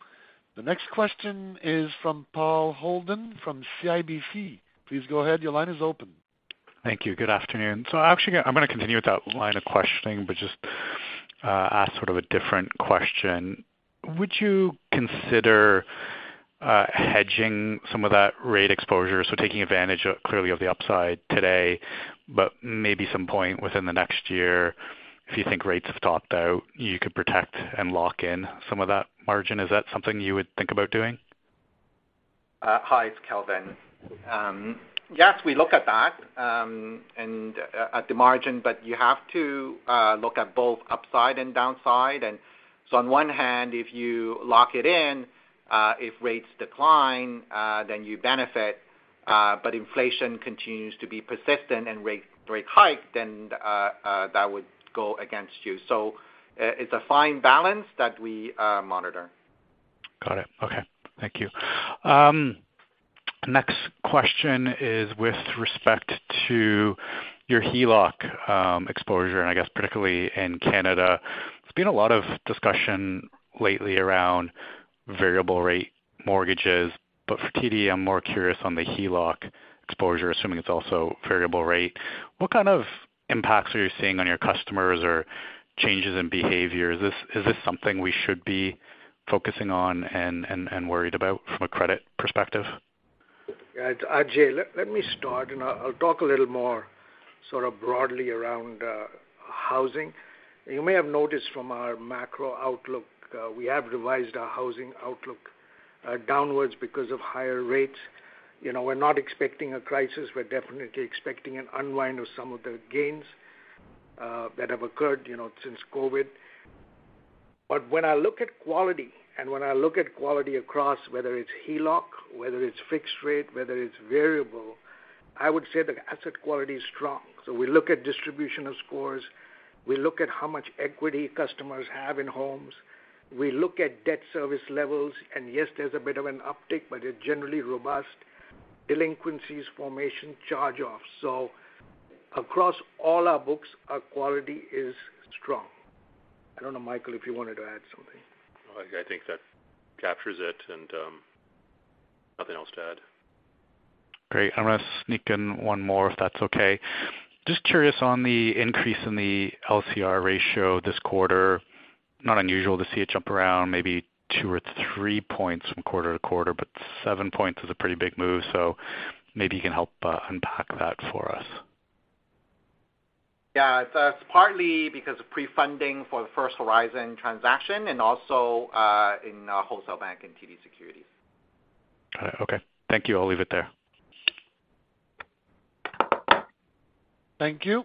The next question is from Paul Holden from CIBC. Please go ahead. Your line is open. Thank you. Good afternoon. Actually, I'm gonna continue with that line of questioning, but just ask sort of a different question. Would you consider hedging some of that rate exposure, so taking advantage clearly of the upside today, but maybe some point within the next year, if you think rates have topped out, you could protect and lock in some of that margin? Is that something you would think about doing? Hi, it's Kelvin. Yes, we look at that, and at the margin, but you have to look at both upside and downside. On one hand, if you lock it in, if rates decline, then you benefit, but inflation continues to be persistent and rates break high, then that would go against you. It's a fine balance that we monitor. Got it. Okay. Thank you. Next question is with respect to your HELOC exposure, and I guess particularly in Canada. There's been a lot of discussion lately around variable rate mortgages, but for TD, I'm more curious on the HELOC exposure, assuming it's also variable rate. What kind of impacts are you seeing on your customers or changes in behavior? Is this something we should be focusing on and worried about from a credit perspective? Yeah, it's Ajai. Let me start, and I'll talk a little more broadly around housing. You may have noticed from our macro outlook, we have revised our housing outlook downwards because of higher rates. We're not expecting a crisis. We're definitely expecting an unwind of some of the gains that have occurred since COVID. When I look at quality and when I look at quality across whether it's HELOC, whether it's fixed rate, whether it's variable, I would say the asset quality is strong. We look at distribution of scores, we look at how much equity customers have in homes, we look at debt service levels, and yes, there's a bit of an uptick, but they're generally robust delinquencies formation charge-offs. Across all our books, our quality is strong. I don't know, Michael, if you wanted to add something. I think that captures it and nothing else to add. Great. I'm gonna sneak in one more, if that's okay. Just curious on the increase in the LCR ratio this quarter. Not unusual to see it jump around maybe two or three points from quarter to quarter, but seven points is a pretty big move, so maybe you can help unpack that for us. Yeah. It's partly because of pre-funding for the First Horizon transaction and also, in our Wholesale Bank and TD Securities. All right. Okay. Thank you. I'll leave it there. Thank you.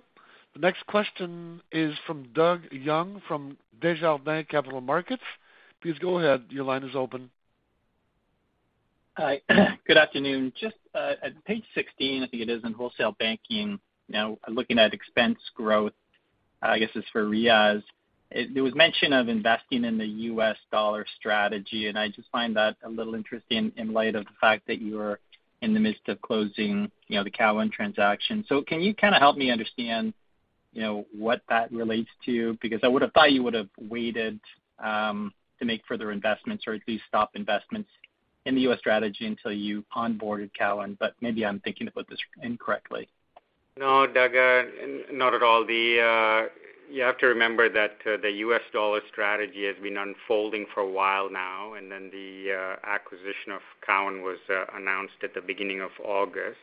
The next question is from Doug Young from Desjardins Capital Markets. Please go ahead. Your line is open. Hi. Good afternoon. At page 16, I think it is, in Wholesale Banking, looking at expense growth, I guess it's for Riaz. There was mention of investing in the U.S. dollar strategy, I just find that a little interesting in light of the fact that you are in the midst of closing the Cowen transaction. Can you help me understand, what that relates to? I would have thought you would have waited to make further investments or at least stop investments in the U.S. strategy until you onboarded Cowen, but maybe I'm thinking about this incorrectly. No, Doug, not at all. The, you have to remember that the U.S. dollar strategy has been unfolding for a while now, and then the acquisition of Cowen was announced at the beginning of August.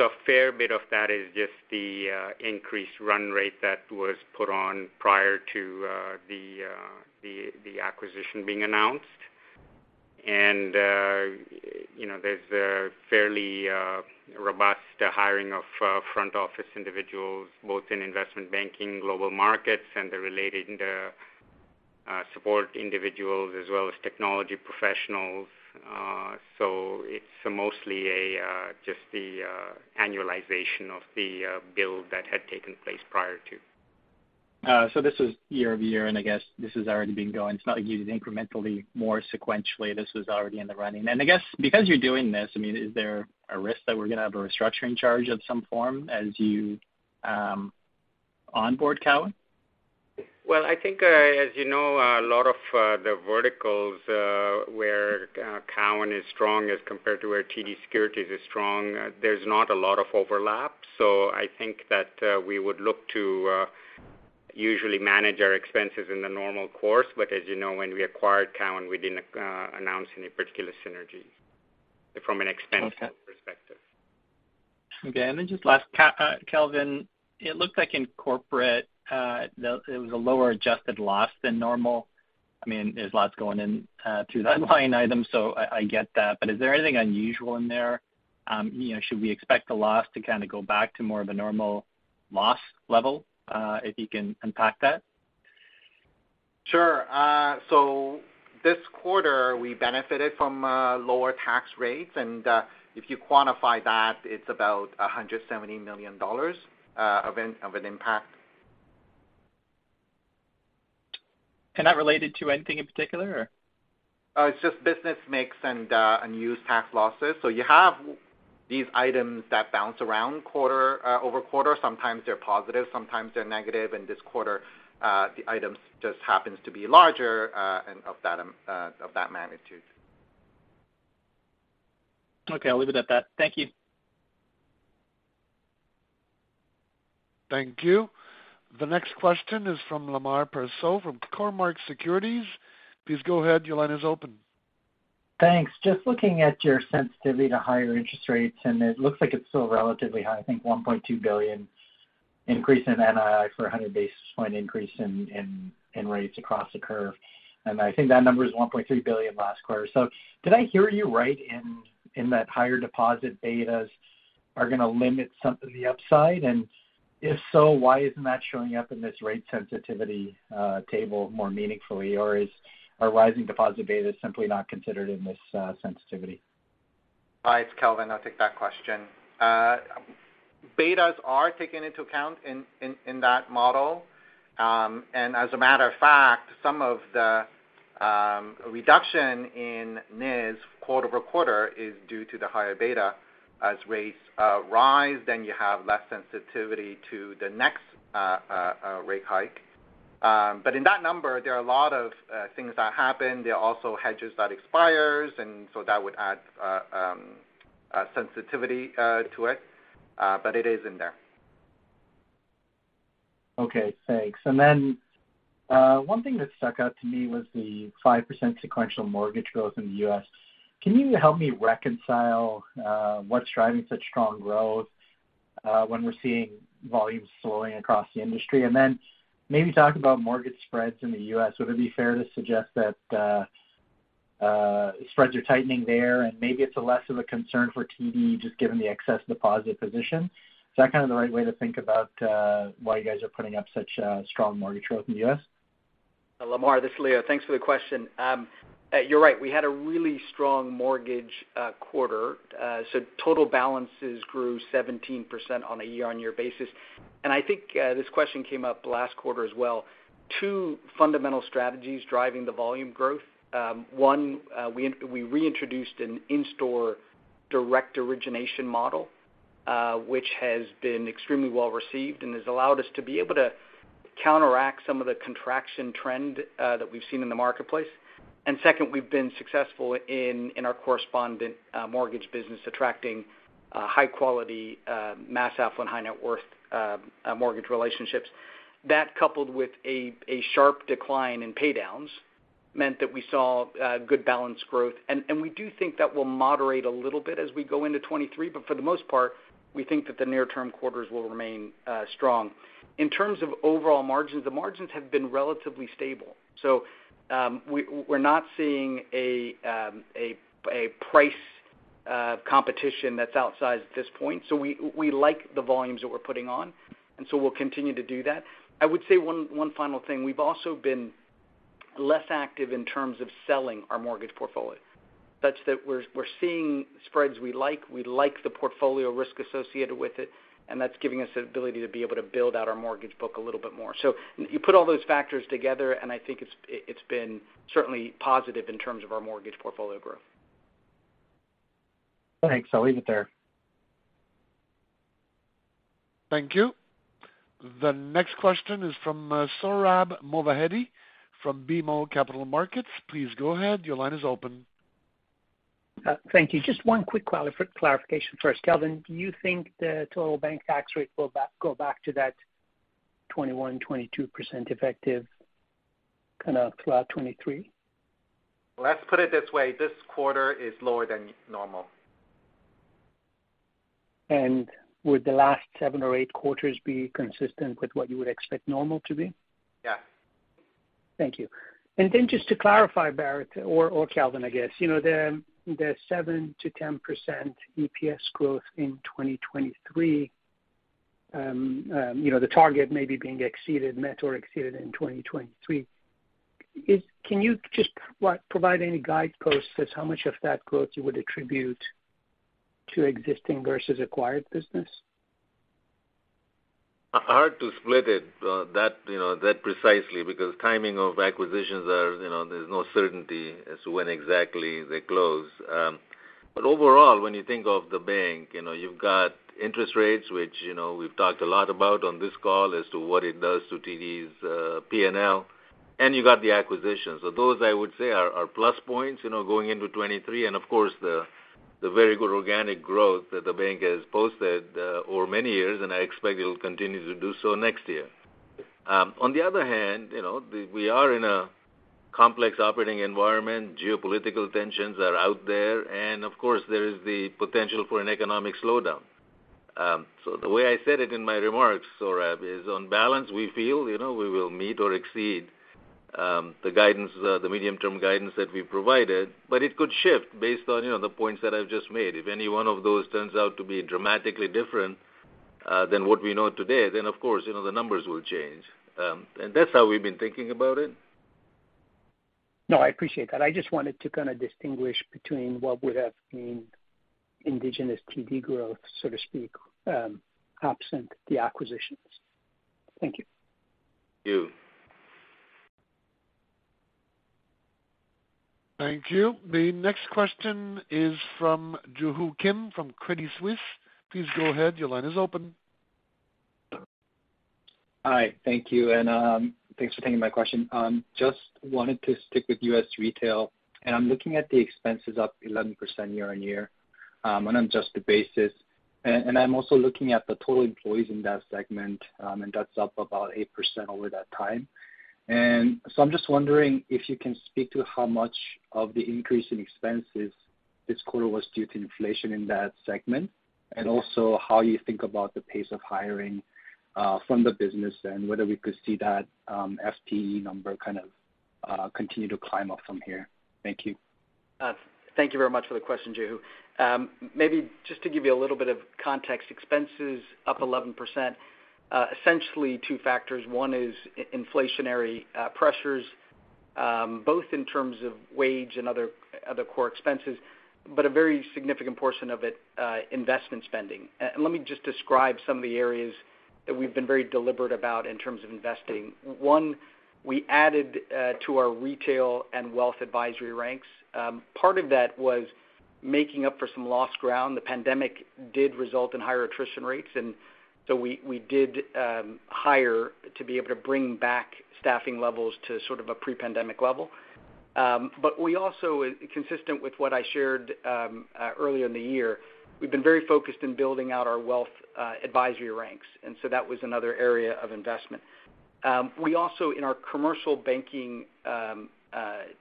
A fair bit of that is just the increased run rate that was put on prior to the acquisition being announced. You know, there's a fairly robust hiring of front office individuals, both in investment banking, global markets, and the related support individuals as well as technology professionals. It's mostly a just the annualization of the build that had taken place prior to. This is year-over-year, and I guess this has already been going. It's not like you did incrementally more sequentially. This was already in the running. I guess because you're doing this, I mean, is there a risk that we're gonna have a restructuring charge of some form as you onboard Cowen? Well, I think, as you know, a lot of the verticals, where Cowen is strong as compared to where TD Securities is strong, there's not a lot of overlap. I think that we would look to usually manage our expenses in the normal course. As you know, when we acquired Cowen, we didn't announce any particular synergies from an expense perspective. Okay. Okay, then just last, Kelvin Tran, it looks like in corporate, it was a lower adjusted loss than normal. I mean, there's lots going in to the underlying items, so I get that. Is there anything unusual in there? You know, should we expect the loss to go back to more of a normal loss level, if you can unpack that? Sure. This quarter we benefited from lower tax rates, and if you quantify that, it's about 170 million dollars of an impact. That related to anything in particular? It's just business mix and unused tax losses. You have these items that bounce around quarter-over-quarter. Sometimes they're positive, sometimes they're negative. In this quarter, the items just happens to be larger and of that magnitude. Okay, I'll leave it at that. Thank you. Thank you. The next question is from Lemar Persaud from Cormark Securities. Please go ahead. Your line is open. Thanks. Just looking at your sensitivity to higher interest rates, it looks like it's still relatively high. I think 1.2 billion increase in NII for a 100 basis point increase in rates across the curve. I think that number is 1.3 billion last quarter. Did I hear you right in that higher deposit betas are gonna limit some of the upside? If so, why isn't that showing up in this rate sensitivity table more meaningfully, or is our rising deposit beta simply not considered in this sensitivity? Hi, it's Kelvin. I'll take that question. Betas are taken into account in that model. As a matter of fact, some of the reduction in NIS quarter-over-quarter is due to the higher beta. As rates rise, then you have less sensitivity to the next rate hike. In that number, there are a lot of things that happen. There are also hedges that expires, so that would add sensitivity to it. It is in there. Okay, thanks. Then, one thing that stuck out to me was the 5% sequential mortgage growth in the U.S. Can you help me reconcile what's driving such strong growth, when we're seeing volumes slowing across the industry? Then maybe talk about mortgage spreads in the U.S. Would it be fair to suggest that spreads are tightening there, and maybe it's less of a concern for TD just given the excess deposit position? Is that kthe right way to think about why you guys are putting up such strong mortgage growth in the U.S.? Lamar, this is Leo. Thanks for the question. You're right. We had a really strong mortgage quarter. Total balances grew 17% on a year-over-year basis. I think this question came up last quarter as well. Two fundamental strategies driving the volume growth. One, we reintroduced an in-store direct origination model, which has been extremely well received and has allowed us to be able to counteract some of the contraction trend that we've seen in the marketplace. Second, we've been successful in our correspondent mortgage business, attracting high quality, mass affluent, high net worth mortgage relationships. That coupled with a sharp decline in pay downs meant that we saw good balance growth. We do think that will moderate a little bit as we go into 2023, but for the most part, we think that the near term quarters will remain strong. In terms of overall margins, the margins have been relatively stable. We're not seeing a price competition that's outsized at this point. We like the volumes that we're putting on. We'll continue to do that. I would say one final thing. We've also been less active in terms of selling our mortgage portfolio. We're seeing spreads we like, we like the portfolio risk associated with it, and that's giving us the ability to be able to build out our mortgage book a little bit more. You put all those factors together, and I think it's been certainly positive in terms of our mortgage portfolio growth. Thanks. I'll leave it there. Thank you. The next question is from Sohrab Movahedi from BMO Capital Markets. Please go ahead. Your line is open. Thank you. Just one quick clarification first. Kelvin, do you think the total bank tax rate will go back to that 21%-22% effective throughout 2023? Let's put it this way. This quarter is lower than normal. Would the last seven or eight quarters be consistent with what you would expect normal to be? Yes. Thank you. Then just to clarify, Bharat or Kelvin, I guess the 7%-10% EPS growth in 2023, the target may be met or exceeded in 2023. Can you just provide any guideposts as how much of that growth you would attribute to existing versus acquired business? Hard to split it, that precisely because timing of acquisitions are there's no certainty as to when exactly they close. Overall, when you think of the bank, you've got interest rates, which we've talked a lot about on this call as to what it does to TD's P&L, and you got the acquisitions. Those I would say are plus points, going into 23. Of course, the very good organic growth that the bank has posted over many years, and I expect it'll continue to do so next year. On the other hand, we are in a complex operating environment, geopolitical tensions are out there, of course, there is the potential for an economic slowdown. The way I said it in my remarks, Sohrab, is on balance, we feel, we will meet or exceed, the guidance, the medium-term guidance that we provided, but it could shift based on the points that I've just made if any one of those turns out to be dramatically different. Than what we know today, then of course the numbers will change. That's how we've been thinking about it. No, I appreciate that. I just wanted to distinguish between what would have been indigenous TD growth, so to speak, absent the acquisitions. Thank you. Thank you. Thank you. The next question is from Joo Ho Kim from Credit Suisse. Please go ahead. Your line is open. Hi. Thank you. Thanks for taking my question. Just wanted to stick with U.S. Retail. I'm looking at the expenses up 11% year on year, on adjusted basis. I'm also looking at the total employees in that segment, and that's up about 8% over that time. I'm just wondering if you can speak to how much of the increase in expenses this quarter was due to inflation in that segment. Also how you think about the pace of hiring from the business and whether we could see that FTE number continue to climb up from here. Thank you. Thank you very much for the question, Joo Ho. Maybe just to give you a little bit of context, expenses up 11%, essentially two factors. One is inflationary pressures, both in terms of wage and other core expenses, but a very significant portion of it, investment spending. Let me just describe some of the areas that we've been very deliberate about in terms of investing. One, we added to our retail and wealth advisory ranks. Part of that was making up for some lost ground. The pandemic did result in higher attrition rates, and so we did hire to be able to bring back staffing levels to a pre-pandemic level. Consistent with what I shared earlier in the year, we've been very focused in building out our wealth advisory ranks. And so that was another area of investment. We also in our commercial banking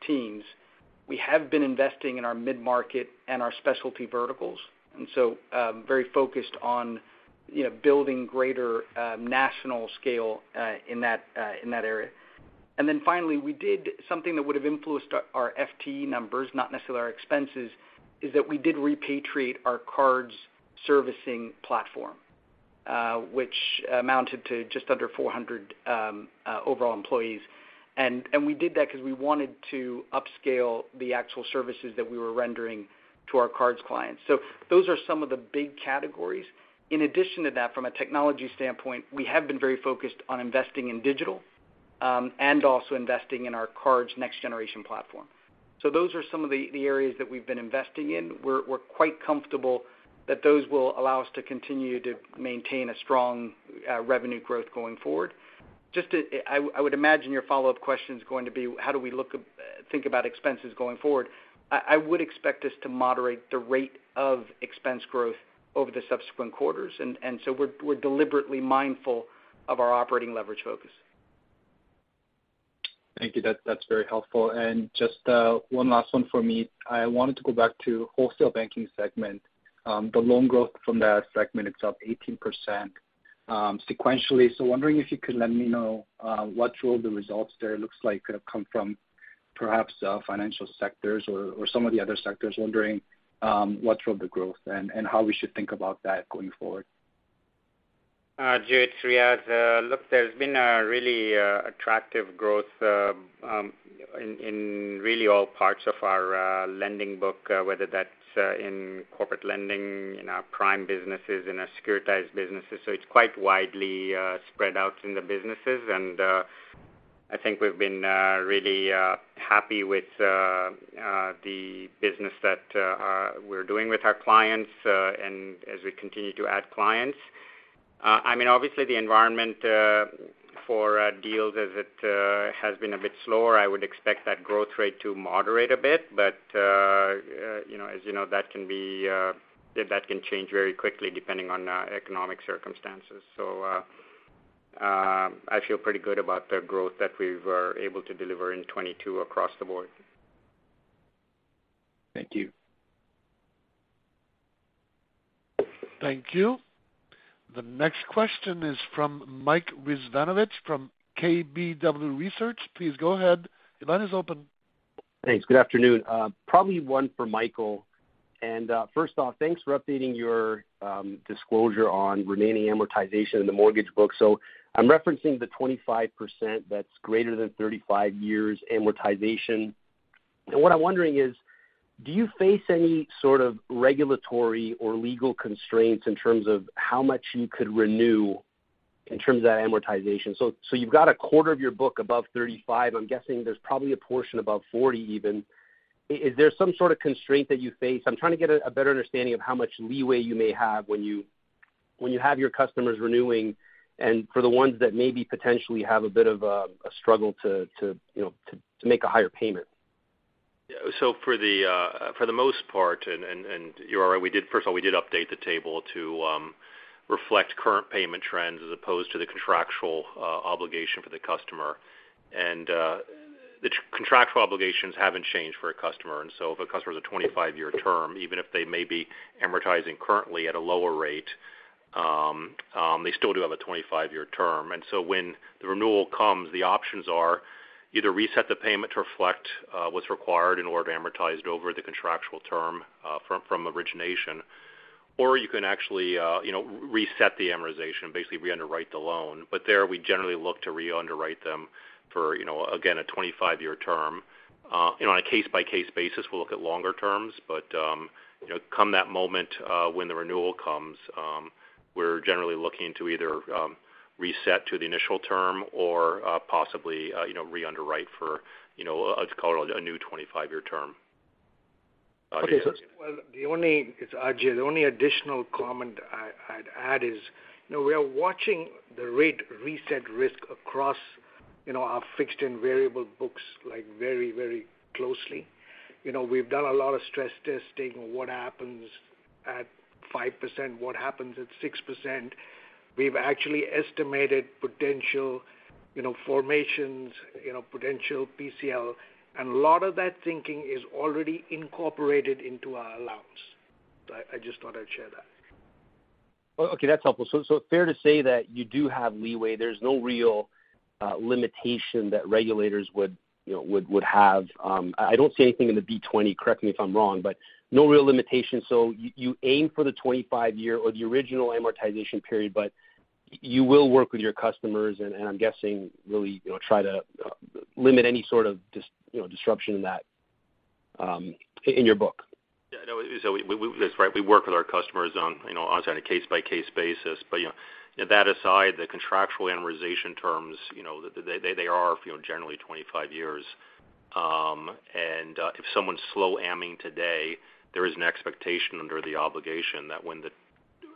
teams, we have been investing in our mid-market and our specialty verticals, and so very focused on building greater national scale in that area. And then finally, we did something that would have influenced our FTE numbers, not necessarily our expenses, is that we did repatriate our cards servicing platform, which amounted to just under 400 overall employees. And we did that because we wanted to upscale the actual services that we were rendering to our cards clients. So those are some of the big categories In addition to that, from a technology standpoint, we have been very focused on investing in digital, and also investing in our cards next generation platform. Those are some of the areas that we've been investing in. We're quite comfortable that those will allow us to continue to maintain a strong revenue growth going forward. I would imagine your follow-up question is going to be, how do we look, think about expenses going forward? I would expect us to moderate the rate of expense growth over the subsequent quarters. So we're deliberately mindful of our operating leverage focus. Thank you. That's very helpful. Just one last one for me. I wanted to go back to Wholesale Banking segment. The loan growth from that segment is up 18% sequentially. Wondering if you could let me know what drove the results there? It looks like could have come from perhaps financial sectors or some of the other sectors. Wondering what drove the growth and how we should think about that going forward? Joo Ho, it's Riaz. Look, there's been a really attractive growth in really all parts of our lending book, whether that's in corporate lending, in our prime businesses, in our securitized businesses. It's quite widely spread out in the businesses. I think we've been really happy with the business that we're doing with our clients, and as we continue to add clients. I mean, obviously the environment for deals as it has been a bit slower, I would expect that growth rate to moderate a bit. As you know, that can be that can change very quickly depending on economic circumstances. I feel pretty good about the growth that we were able to deliver in 22 across the board. Thank you. Thank you. The next question is from Mike Rizvanovic from KBW Research. Please go ahead. Your line is open. Thanks. Good afternoon. Probably one for Michael. First off, thanks for updating your disclosure on remaining amortization in the mortgage book. I'm referencing the 25% that's greater than 35 years amortization. What I'm wondering is, do you face any regulatory or legal constraints in terms of how much you could renew in terms of that amortization? So you've got a quarter of your book above 35. I'm guessing there's probably a portion above 40 even. Is there some constraint that you face? I'm trying to get a better understanding of how much leeway you may have when you, when you have your customers renewing and for the ones that maybe potentially have a bit of a struggle to make a higher payment. Yeah. For the most part, and you're right, we did. First of all, we did update the table to reflect current payment trends as opposed to the contractual obligation for the customer. The contractual obligations haven't changed for a customer. If a customer has a 25-year term, even if they may be amortizing currently at a lower rate, they still do have a 25-year term. When the renewal comes, the options are either reset the payment to reflect what's required in order to amortize it over the contractual term from origination. You can actually reset the amortization, basically re-underwrite the loan. There, we generally look to re-underwrite them for again, a 25-year term. On a case-by-case basis, we'll look at longer terms, but come that moment, when the renewal comes, we're generally looking to either, reset to the initial term or, possibly re-underwrite for, you know, let's call it a new 25-year term. Okay. Well, it's Ajai. The only additional comment I'd add is, we are watching the rate reset risk across, our fixed and variable books like very, very closely. You know, we've done a lot of stress testing. What happens at 5%? What happens at 6%? We've actually estimated potential formations, potential PCL, a lot of that thinking is already incorporated into our allowance. I just thought I'd share that. Okay, that's helpful. Fair to say that you do have leeway. There's no real limitation that regulators would have. I don't see anything in the B-20, correct me if I'm wrong, but no real limitations. You aim for the 25-year or the original amortization period, but you will work with your customers and I'm guessing really try to limit any disruption in that in your book. Yeah, no. That's right. We work with our customers on, obviously on a case-by-case basis. That aside, the contractual amortization terms, they are generally 25 years. if someone's slow amming today, there is an expectation under the obligation that when the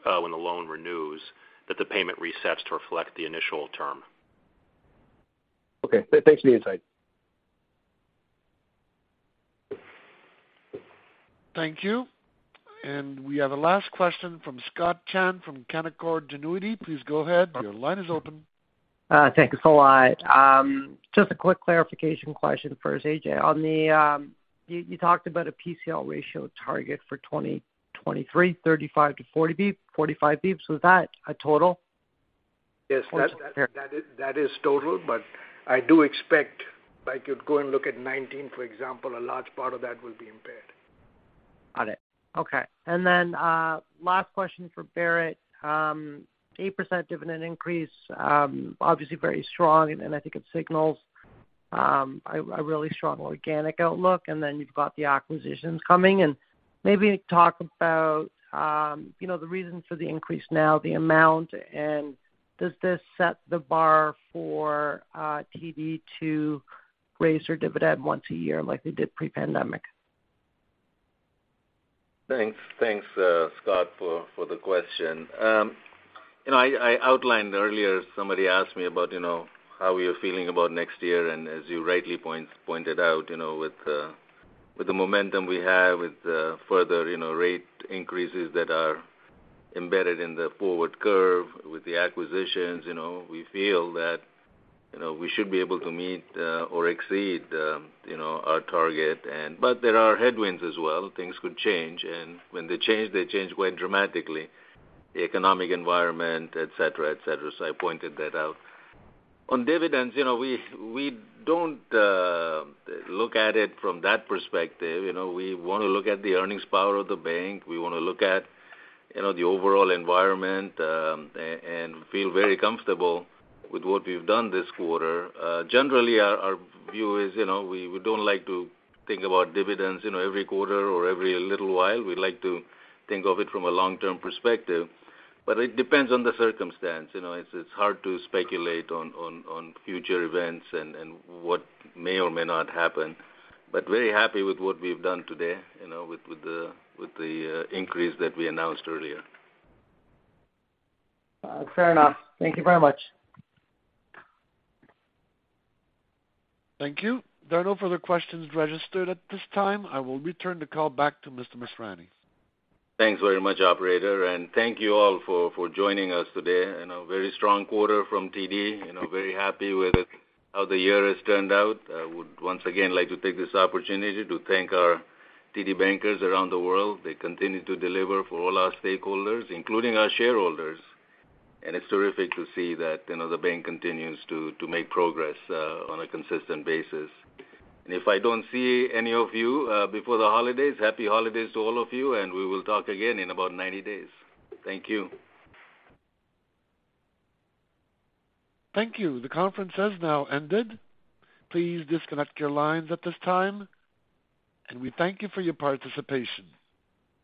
loan renews, that the payment resets to reflect the initial term. Okay. Thanks for the insight. Thank you. We have a last question from Scott Chan from Canaccord Genuity. Please go ahead. Your line is open. Thank you so much. Just a quick clarification question first, Ajai. On the, you talked about a PCL ratio target for 2023, 35-45 basis points. Was that a total? Yes. Okay. That is total. I do expect, if I could go and look at 19, for example, a large part of that will be impaired. Got it. Okay. Last question for Bharat. 8% dividend increase, obviously very strong, and I think it signals a really strong organic outlook. You've got the acquisitions coming. Maybe talk about the reason for the increase now, the amount, and does this set the bar for TD to raise their dividend once a year like they did pre-pandemic? Thanks. Thanks, Scott for the question. I outlined earlier, somebody asked me about how we are feeling about next year. As you rightly pointed out with the momentum we have, with the further rate increases that are embedded in the forward curve, with the acquisitions, we feel that, we should be able to meet or exceed our target. But there are headwinds as well. Things could change, and when they change, they change quite dramatically, the economic environment, et cetera, et cetera. I pointed that out. On dividends, we don't look at it from that perspective. You know, we wanna look at the earnings power of the bank. We wanna look at the overall environment, and feel very comfortable with what we've done this quarter. Generally our view is, we don't like to think about dividends every quarter or every little while. We like to think of it from a long-term perspective. It depends on the circumstance. It's hard to speculate on future events and what may or may not happen. Very happy with what we've done today, with the increase that we announced earlier. Fair enough. Thank you very much. Thank you. There are no further questions registered at this time. I will return the call back to Mr. Masrani. Thanks very much, operator, and thank you all for joining us today. In a very strong quarter from TD, very happy with it, how the year has turned out. I would once again like to take this opportunity to thank our TD bankers around the world. They continue to deliver for all our stakeholders, including our shareholders. It's terrific to see that the bank continues to make progress on a consistent basis. If I don't see any of you before the holidays, happy holidays to all of you, and we will talk again in about 90 days. Thank you. Thank you. The conference has now ended. Please disconnect your lines at this time, and we thank you for your participation.